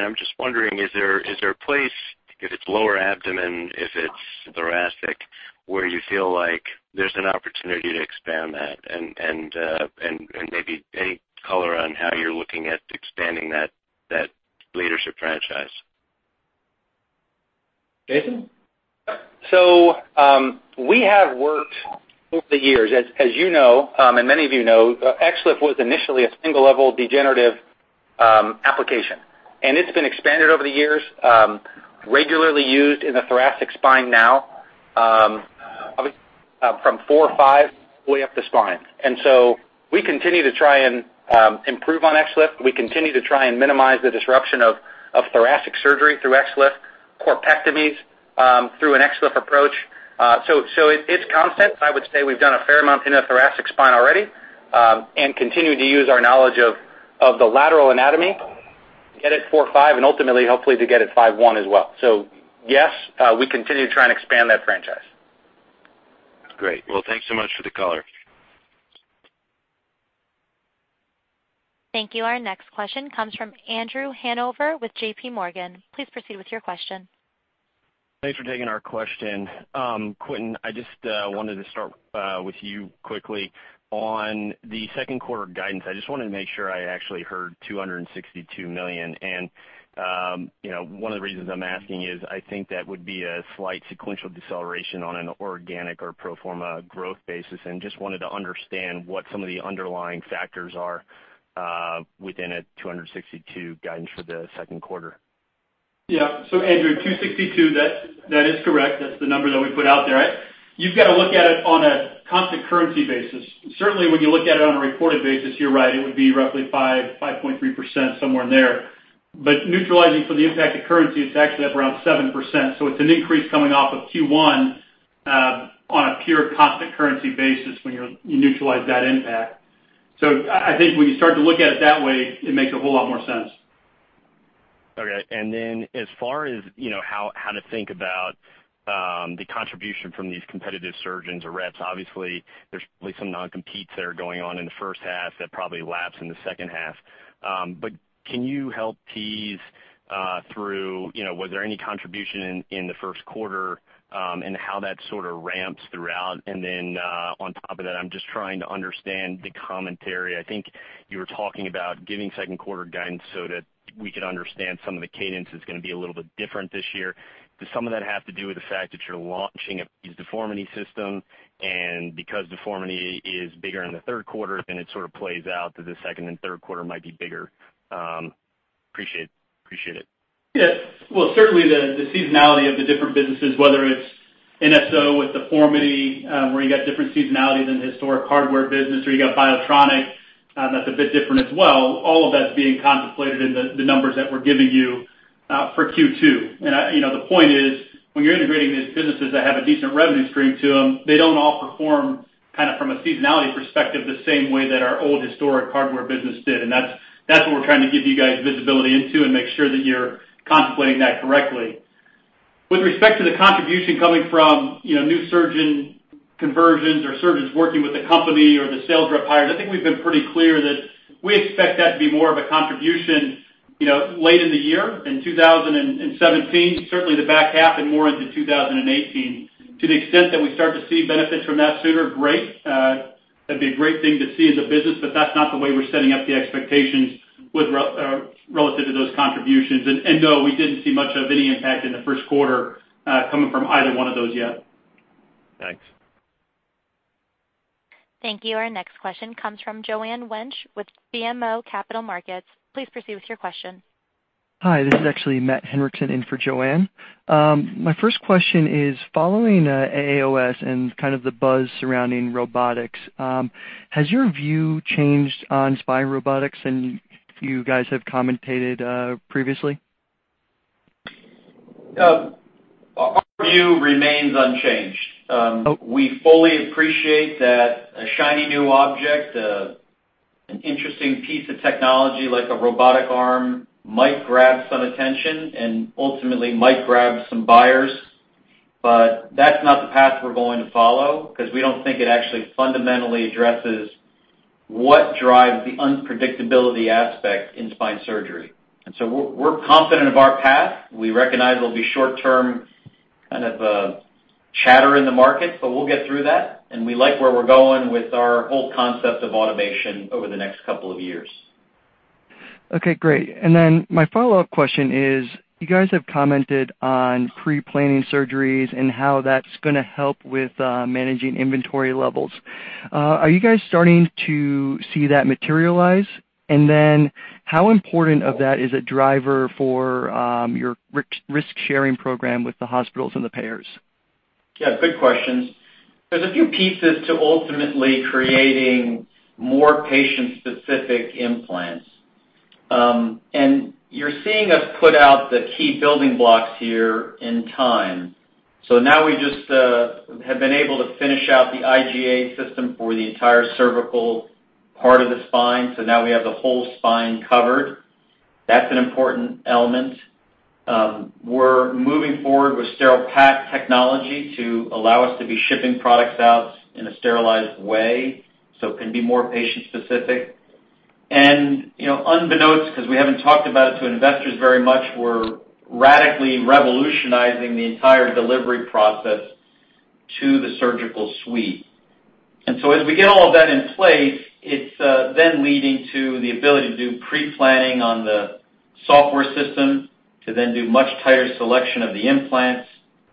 I'm just wondering, is there a place, if it's lower abdomen, if it's thoracic, where you feel like there's an opportunity to expand that? Maybe any color on how you're looking at expanding that leadership franchise?
Jason?
We have worked over the years, as you know, and many of you know, XLIF was initially a single-level degenerative application. It's been expanded over the years, regularly used in the thoracic spine now, obviously from four, five, all the way up the spine. We continue to try and improve on XLIF. We continue to try and minimize the disruption of thoracic surgery through XLIF, corpectomies through an XLIF approach. It's constant. I would say we've done a fair amount in the thoracic spine already and continue to use our knowledge of the lateral anatomy to get it four, five, and ultimately, hopefully, to get it five one as well. Yes, we continue to try and expand that franchise.
Great. Thanks so much for the color.
Thank you. Our next question comes from Andrew Hanover with JPMorgan. Please proceed with your question. Thanks for taking our question.
Quentin, I just wanted to start with you quickly. On the second quarter guidance, I just wanted to make sure I actually heard $262 million. One of the reasons I'm asking is I think that would be a slight sequential deceleration on an organic or pro forma growth basis and just wanted to understand what some of the underlying factors are within a $262 million guidance for the second quarter.
Yeah. Andrew, 262, that is correct. That's the number that we put out there. You've got to look at it on a constant currency basis. Certainly, when you look at it on a reported basis, you're right. It would be roughly 5.3%, somewhere in there. Neutralizing for the impact of currency, it's actually up around 7%. It's an increase coming off of Q1 on a pure constant currency basis when you neutralize that impact. I think when you start to look at it that way, it makes a whole lot more sense.
Okay. As far as how to think about the contribution from these competitive surgeons or reps, obviously, there's probably some non-competes that are going on in the first half that probably lapse in the second half. Can you help tease through, was there any contribution in the first quarter and how that sort of ramps throughout? On top of that, I'm just trying to understand the commentary. I think you were talking about giving second quarter guidance so that we could understand some of the cadence is going to be a little bit different this year. Does some of that have to do with the fact that you're launching a deformity system? Because deformity is bigger in the third quarter, then it sort of plays out that the second and third quarter might be bigger. Appreciate it. Appreciate it.
Yeah. Certainly the seasonality of the different businesses, whether it's NSO with deformity where you got different seasonality than historic hardware business or you got Biotronic, that's a bit different as well. All of that's being contemplated in the numbers that we're giving you for Q2. The point is when you're integrating these businesses that have a decent revenue stream to them, they don't all perform kind of from a seasonality perspective the same way that our old historic hardware business did. That's what we're trying to give you guys visibility into and make sure that you're contemplating that correctly. With respect to the contribution coming from new surgeon conversions or surgeons working with the company or the sales rep hires, I think we've been pretty clear that we expect that to be more of a contribution late in the year, in 2017, certainly the back half and more into 2018. To the extent that we start to see benefits from that sooner, great. That'd be a great thing to see in the business, but that's not the way we're setting up the expectations relative to those contributions. No, we didn't see much of any impact in the first quarter coming from either one of those yet.
Thanks.
Thank you. Our next question comes from Joanne Wench with BMO Capital Markets. Please proceed with your question. Hi.
This is actually Matt Henriksen in for Joanne. My first question is, following AAOS and kind of the buzz surrounding robotics, has your view changed on spine robotics and you guys have commentated previously?
Our view remains unchanged. We fully appreciate that a shiny new object, an interesting piece of technology like a robotic arm might grab some attention and ultimately might grab some buyers. That's not the path we're going to follow because we don't think it actually fundamentally addresses what drives the unpredictability aspect in spine surgery. We are confident of our path. We recognize there'll be short-term kind of chatter in the market, but we'll get through that. We like where we're going with our whole concept of automation over the next couple of years.
Okay. Great. My follow-up question is, you guys have commented on pre-planning surgeries and how that's going to help with managing inventory levels. Are you guys starting to see that materialize? How important is that as a driver for your risk-sharing program with the hospitals and the payers?
Yeah. Good questions. There are a few pieces to ultimately creating more patient-specific implants. You're seeing us put out the key building blocks here in time. We just have been able to finish out the IGA system for the entire cervical part of the spine. Now we have the whole spine covered. That's an important element. We're moving forward with sterile pack technology to allow us to be shipping products out in a sterilized way so it can be more patient-specific. Unbeknownst, because we haven't talked about it to investors very much, we're radically revolutionizing the entire delivery process to the surgical suite. As we get all of that in place, it's then leading to the ability to do pre-planning on the software system to then do much tighter selection of the implants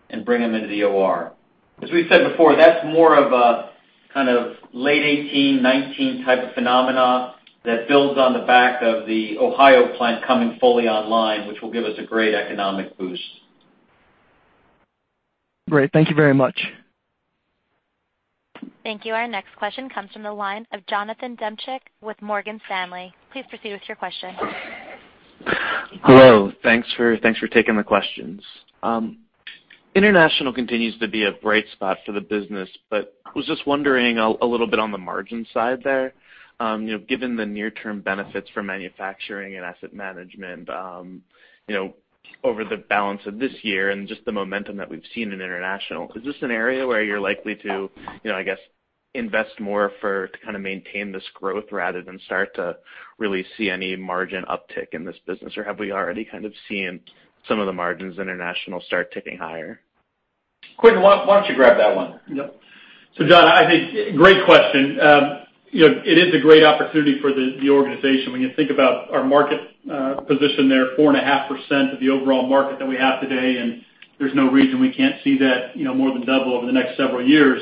and bring them into the OR. As we said before, that's more of a kind of late 2018, 2019 type of phenomena that builds on the back of the Ohio plant coming fully online, which will give us a great economic boost.
Great. Thank you very much.
Thank you. Our next question comes from the line of Jonathan Demchick with Morgan Stanley. Please proceed with your question.
Hello. Thanks for taking the questions. International continues to be a bright spot for the business, but I was just wondering a little bit on the margin side there. Given the near-term benefits for manufacturing and asset management over the balance of this year and just the momentum that we've seen in international, is this an area where you're likely to, I guess, invest more to kind of maintain this growth rather than start to really see any margin uptick in this business? Or have we already kind of seen some of the margins international start ticking higher? Quentin, why don't you grab that one?
Yep. So John, I think great question. It is a great opportunity for the organization. When you think about our market position there, 4.5% of the overall market that we have today, and there's no reason we can't see that more than double over the next several years.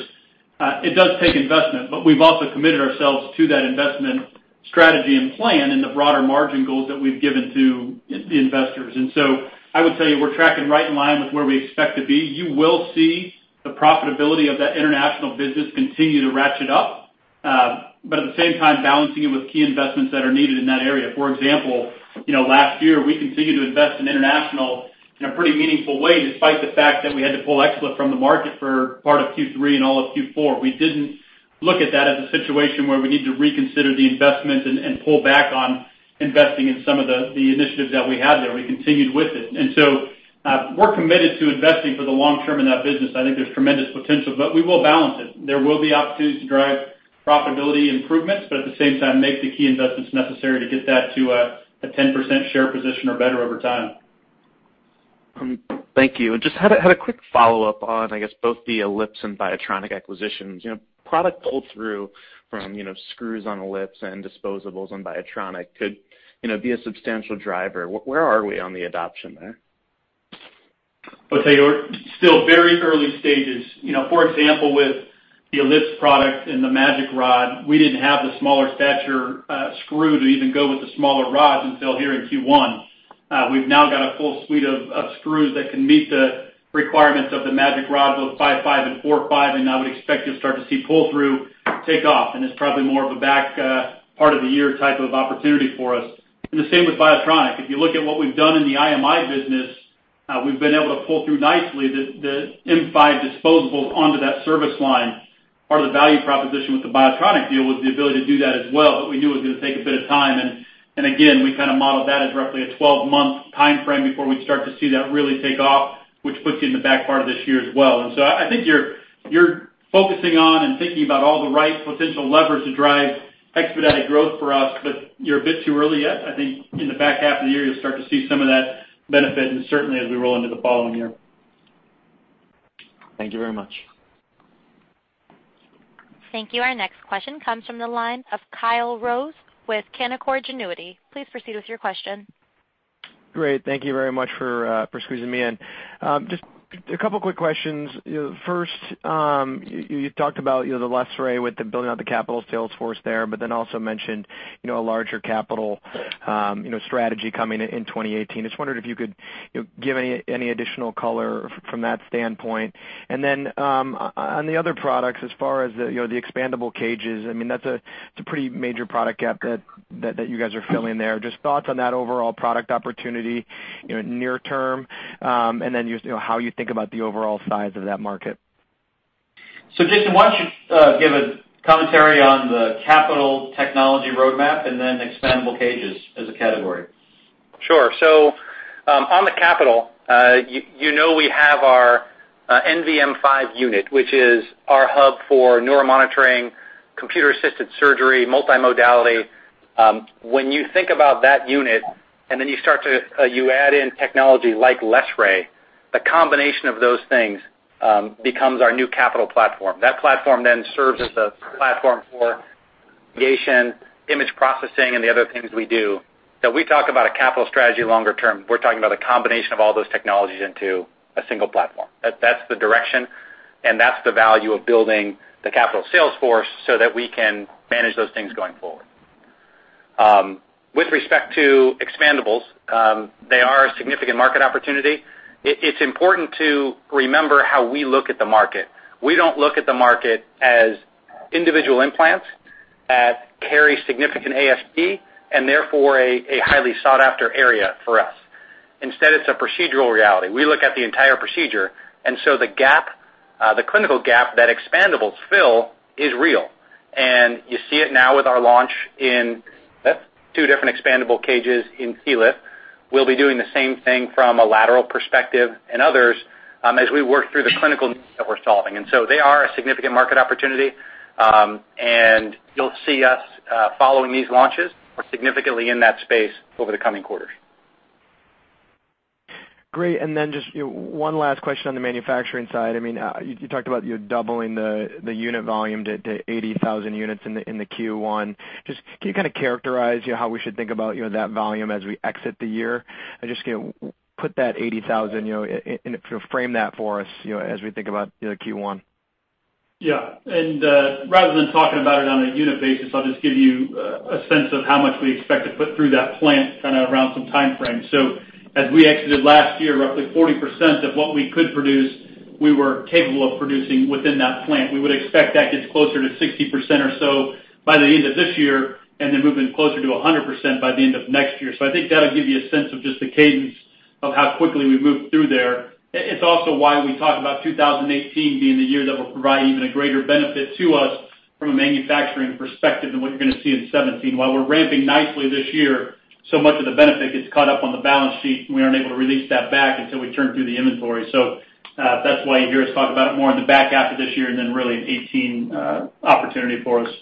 It does take investment, but we've also committed ourselves to that investment strategy and plan and the broader margin goals that we've given to the investors. I would tell you we're tracking right in line with where we expect to be. You will see the profitability of that international business continue to ratchet up, but at the same time, balancing it with key investments that are needed in that area. For example, last year, we continued to invest in international in a pretty meaningful way despite the fact that we had to pull XLIF from the market for part of Q3 and all of Q4. We did not look at that as a situation where we need to reconsider the investment and pull back on investing in some of the initiatives that we had there. We continued with it. We are committed to investing for the long term in that business. I think there is tremendous potential, but we will balance it. There will be opportunities to drive profitability improvements, but at the same time, make the key investments necessary to get that to a 10% share position or better over time.
Thank you. Just had a quick follow-up on, I guess, both the Ellipse and Biotronic acquisitions. Product pull-through from screws on Ellipse and disposables on Biotronic could be a substantial driver. Where are we on the adoption there?
I would tell you we're still very early stages. For example, with the Ellipse product and the MAGIC rod, we didn't have the smaller stature screw to even go with the smaller rods until here in Q1. We've now got a full suite of screws that can meet the requirements of the MAGIC rod, both 5.5 and 4.5, and I would expect you'll start to see pull-through take off. It's probably more of a back part of the year type of opportunity for us. The same with Biotronic. If you look at what we've done in the IMI business, we've been able to pull through nicely the M5 disposables onto that service line. Part of the value proposition with the Biotronic deal was the ability to do that as well, but we knew it was going to take a bit of time. We kind of modeled that as roughly a 12-month timeframe before we would start to see that really take off, which puts you in the back part of this year as well. I think you are focusing on and thinking about all the right potential levers to drive expedited growth for us, but you are a bit too early yet. I think in the back half of the year, you will start to see some of that benefit, and certainly as we roll into the following year.
Thank you very much.
Thank you. Our next question comes from the line of Kyle Rose with Canaccord Genuity. Please proceed with your question.
Great. Thank you very much for squeezing me in. Just a couple of quick questions. First, you talked about the lesser aid with the building out the capital sales force there, but then also mentioned a larger capital strategy coming in 2018. Just wondered if you could give any additional color from that standpoint. On the other products, as far as the expandable cages, I mean, that's a pretty major product gap that you guys are filling there. Just thoughts on that overall product opportunity near-term and then how you think about the overall size of that market.
Jason, why don't you give a commentary on the capital technology roadmap and then expandable cages as a category?
Sure. On the capital, you know we have our NVM5 unit, which is our hub for neuromonitoring, computer-assisted surgery, multimodality. When you think about that unit and then you start to add in technology like LessRay, the combination of those things becomes our new capital platform. That platform then serves as a platform for image processing and the other things we do. We talk about a capital strategy longer term. We are talking about a combination of all those technologies into a single platform. That is the direction, and that is the value of building the capital sales force so that we can manage those things going forward. With respect to expandables, they are a significant market opportunity. It is important to remember how we look at the market. We do not look at the market as individual implants that carry significant ASP and therefore a highly sought-after area for us. Instead, it is a procedural reality. We look at the entire procedure. The clinical gap that expandables fill is real. You see it now with our launch in two different expandable cages in C-LIF. We'll be doing the same thing from a lateral perspective and others as we work through the clinical needs that we're solving. They are a significant market opportunity, and you'll see us following these launches. We're significantly in that space over the coming quarters.
Great. Just one last question on the manufacturing side. I mean, you talked about doubling the unit volume to 80,000 units in Q1. Can you kind of characterize how we should think about that volume as we exit the year? Just put that 80,000 and frame that for us as we think about Q1.
Yeah. Rather than talking about it on a unit basis, I'll just give you a sense of how much we expect to put through that plant kind of around some timeframe. As we exited last year, roughly 40% of what we could produce, we were capable of producing within that plant. We would expect that gets closer to 60% or so by the end of this year and then moving closer to 100% by the end of next year. I think that'll give you a sense of just the cadence of how quickly we move through there. It's also why we talk about 2018 being the year that will provide even a greater benefit to us from a manufacturing perspective than what you're going to see in 2017. While we're ramping nicely this year, so much of the benefit gets caught up on the balance sheet, and we aren't able to release that back until we turn through the inventory. That's why you hear us talk about it more in the back half of this year and then really in 2018 opportunity for us.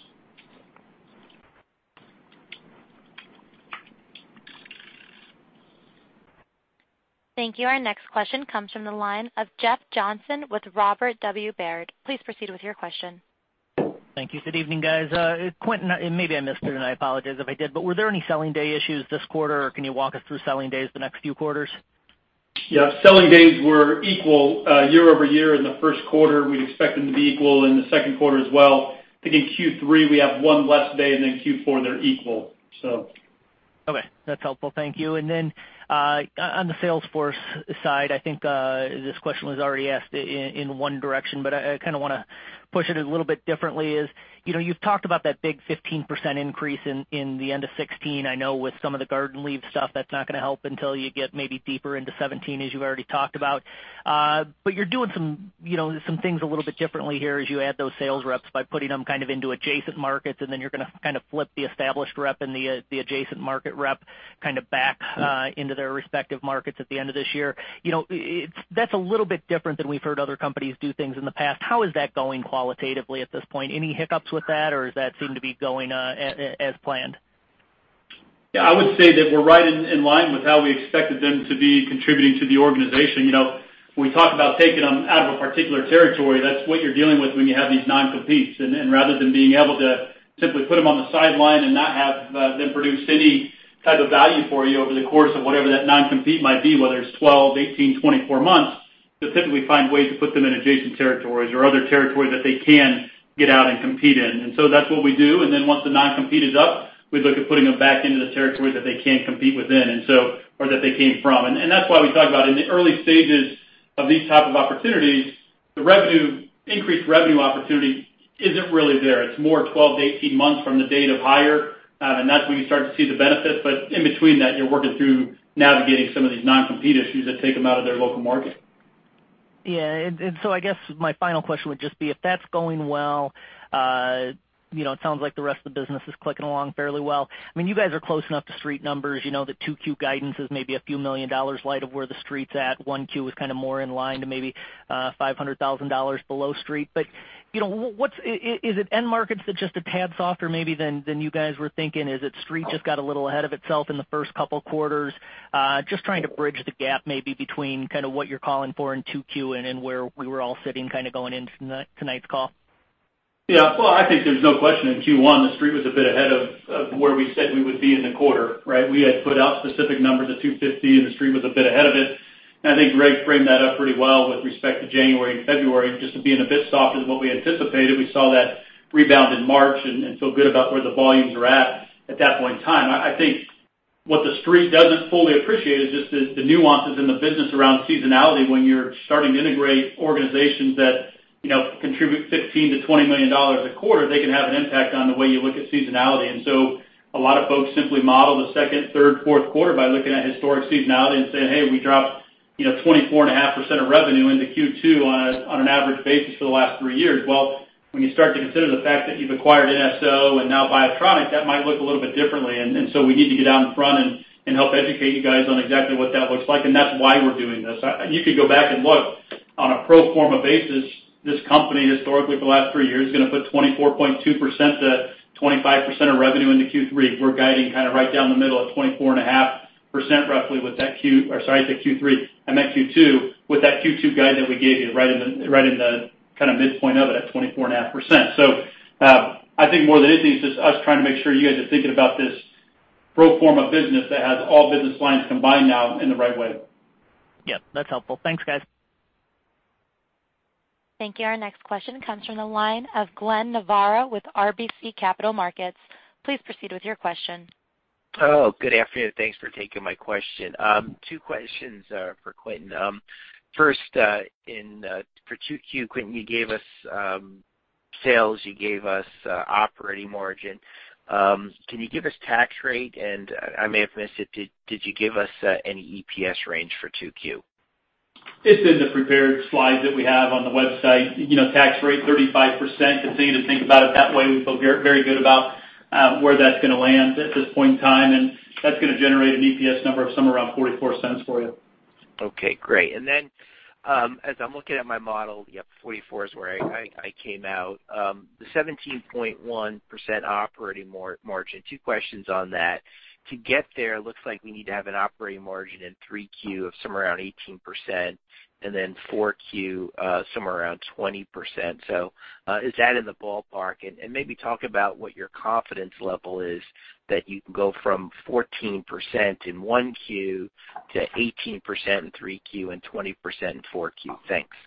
Thank you. Our next question comes from the line of Jeff Johnson with Robert W. Baird. Please proceed with your question.
Thank you. Good evening, guys. Quentin, maybe I missed it, and I apologize if I did, but were there any selling day issues this quarter, or can you walk us through selling days the next few quarters?
Yeah. Selling days were equal year over year in the first quarter. We'd expect them to be equal in the second quarter as well. I think in Q3, we have one less day, and then Q4, they're equal.
Okay. That's helpful. Thank you. And then on the sales force side, I think this question was already asked in one direction, but I kind of want to push it a little bit differently. You've talked about that big 15% increase in the end of 2016. I know with some of the garden leave stuff, that's not going to help until you get maybe deeper into 2017, as you've already talked about. But you're doing some things a little bit differently here as you add those sales reps by putting them kind of into adjacent markets, and then you're going to kind of flip the established rep and the adjacent market rep kind of back into their respective markets at the end of this year. That's a little bit different than we've heard other companies do things in the past. How is that going qualitatively at this point? Any hiccups with that, or does that seem to be going as planned?
Yeah. I would say that we're right in line with how we expected them to be contributing to the organization. When we talk about taking them out of a particular territory, that's what you're dealing with when you have these non-competes. Rather than being able to simply put them on the sideline and not have them produce any type of value for you over the course of whatever that non-compete might be, whether it's 12, 18, 24 months, you'll typically find ways to put them in adjacent territories or other territories that they can get out and compete in. That's what we do. Once the non-compete is up, we look at putting them back into the territory that they can't compete within or that they came from. That's why we talk about in the early stages of these types of opportunities, the increased revenue opportunity isn't really there. It's more 12 to 18 months from the date of hire, and that's when you start to see the benefits. In between that, you're working through navigating some of these non-compete issues that take them out of their local market.
Yeah. I guess my final question would just be if that's going well, it sounds like the rest of the business is clicking along fairly well. I mean, you guys are close enough to street numbers that 2Q guidance is maybe a few million dollars light of where the street's at. 1Q is kind of more in line to maybe $500,000 below street. Is it end markets that just a tad softer maybe than you guys were thinking? Is it street just got a little ahead of itself in the first couple of quarters? Just trying to bridge the gap maybe between kind of what you're calling for in 2Q and where we were all sitting kind of going into tonight's call.
Yeah. I think there's no question in Q1, the street was a bit ahead of where we said we would be in the quarter, right? We had put out specific numbers of $250,000, and the street was a bit ahead of it. I think Greg framed that up pretty well with respect to January and February. Just to be in a bit softer than what we anticipated, we saw that rebound in March and feel good about where the volumes were at at that point in time. I think what the street doesn't fully appreciate is just the nuances in the business around seasonality when you're starting to integrate organizations that contribute $15 million-$20 million a quarter. They can have an impact on the way you look at seasonality. A lot of folks simply model the second, third, fourth quarter by looking at historic seasonality and saying, "Hey, we dropped 24.5% of revenue into Q2 on an average basis for the last three years." When you start to consider the fact that you've acquired NSO and now Biotronic, that might look a little bit differently. We need to get out in front and help educate you guys on exactly what that looks like. That is why we're doing this. You could go back and look on a pro forma basis. This company historically for the last three years is going to put 24.2%-25% of revenue into Q3. We're guiding kind of right down the middle at 24.5% roughly with that Q, or sorry, Q3. I meant Q2, with that Q2 guide that we gave you right in the kind of midpoint of it at 24.5%. I think more than anything, it's just us trying to make sure you guys are thinking about this pro forma business that has all business lines combined now in the right way.
Yep. That's helpful. Thanks, guys.
Thank you. Our next question comes from the line of Glenn Novarro with RBC Capital Markets. Please proceed with your question.
Oh, good afternoon. Thanks for taking my question. Two questions for Quentin. First, for 2Q, Quentin, you gave us sales, you gave us operating margin. Can you give us tax rate? And I may have missed it. Did you give us any EPS range for 2Q?
It's in the prepared slide that we have on the website. Tax rate 35%. Continue to think about it that way. We feel very good about where that's going to land at this point in time. And that's going to generate an EPS number of somewhere around $0.44 for you.
Okay. Great. And then as I'm looking at my model, yep, $0.44 is where I came out. The 17.1% operating margin, two questions on that. To get there, it looks like we need to have an operating margin in 3Q of somewhere around 18% and then 4Q somewhere around 20%. Is that in the ballpark? Maybe talk about what your confidence level is that you can go from 14% in 1Q to 18% in 3Q and 20% in 4Q. Thanks.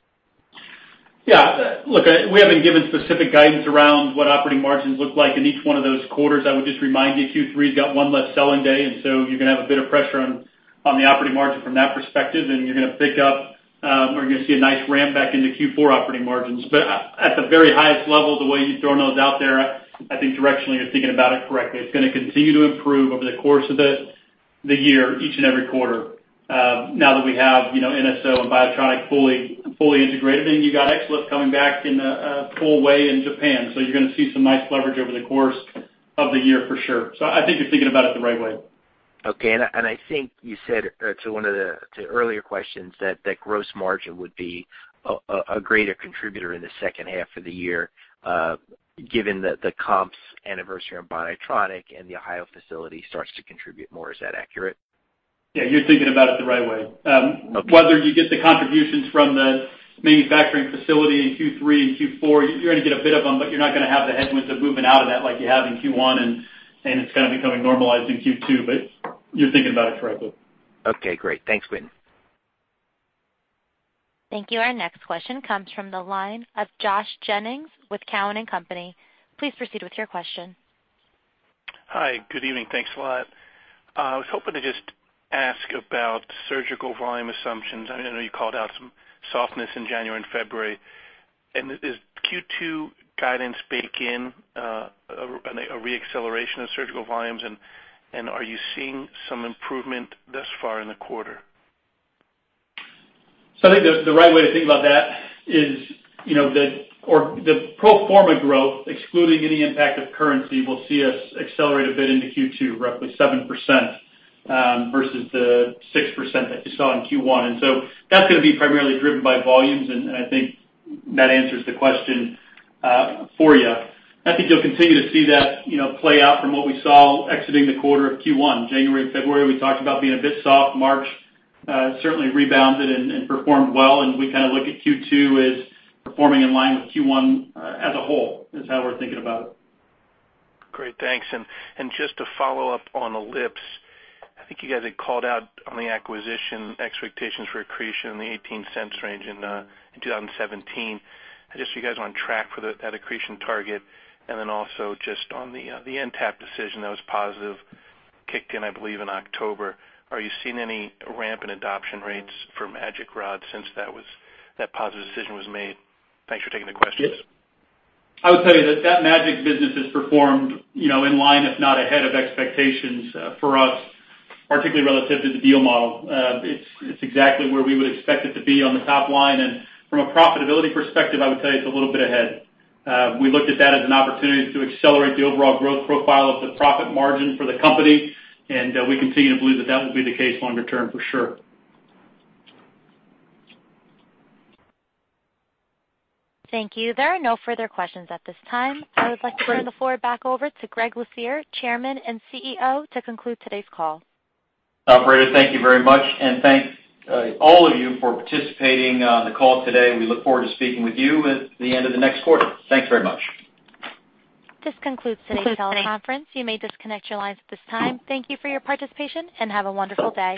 Yeah. Look, we have not given specific guidance around what operating margins look like in each one of those quarters. I would just remind you Q3 has got one less selling day. You are going to have a bit of pressure on the operating margin from that perspective. You are going to pick up or you are going to see a nice ramp back into Q4 operating margins. At the very highest level, the way you have thrown those out there, I think directionally you are thinking about it correctly. It's going to continue to improve over the course of the year, each and every quarter. Now that we have NSO and Biotronic fully integrated, then you got XLIF coming back in a full way in Japan. You're going to see some nice leverage over the course of the year for sure. I think you're thinking about it the right way.
Okay. I think you said to one of the earlier questions that the gross margin would be a greater contributor in the second half of the year given the comps anniversary on Biotronic and the Ohio facility starts to contribute more. Is that accurate?
Yeah. You're thinking about it the right way. Whether you get the contributions from the manufacturing facility in Q3 and Q4, you're going to get a bit of them, but you're not going to have the headwinds of moving out of that like you have in Q1, and it's kind of becoming normalized in Q2. But you're thinking about it correctly.
Okay. Great. Thanks, Quentin.
Thank you. Our next question comes from the line of Josh Jennings with Cowen and Company. Please proceed with your question.
Hi. Good evening. Thanks a lot. I was hoping to just ask about surgical volume assumptions. I mean, I know you called out some softness in January and February. And is Q2 guidance baked in a re-acceleration of surgical volumes? And are you seeing some improvement thus far in the quarter?
I think the right way to think about that is the pro forma growth, excluding any impact of currency, will see us accelerate a bit into Q2, roughly 7% versus the 6% that you saw in Q1. That's going to be primarily driven by volumes. I think that answers the question for you. I think you'll continue to see that play out from what we saw exiting the quarter of Q1. January and February, we talked about being a bit soft. March certainly rebounded and performed well. We kind of look at Q2 as performing in line with Q1 as a whole is how we're thinking about it.
Great. Thanks. Just to follow up on Ellipse, I think you guys had called out on the acquisition expectations for accretion in the $0.18 range in 2017. Just so you guys are on track for that accretion target. Also, just on the N-TAP decision that was positive, kicked in, I believe, in October. Are you seeing any ramp in adoption rates for MAGIC Rod since that positive decision was made? Thanks for taking the question.
Yes. I would tell you that that MAGIC business has performed in line, if not ahead of expectations for us, particularly relative to the deal model. It is exactly where we would expect it to be on the top line. From a profitability perspective, I would tell you it is a little bit ahead. We looked at that as an opportunity to accelerate the overall growth profile of the profit margin for the company. We continue to believe that that will be the case longer term for sure.
Thank you. There are no further questions at this time. I would like to turn the floor back over to Gregory Lucier, Chairman and CEO, to conclude today's call.
Operator, thank you very much. Thank you all for participating on the call today. We look forward to speaking with you at the end of the next quarter. Thank you very much.
This concludes today's call. Conference. You may disconnect your lines at this time. Thank you for your participation and have a wonderful day.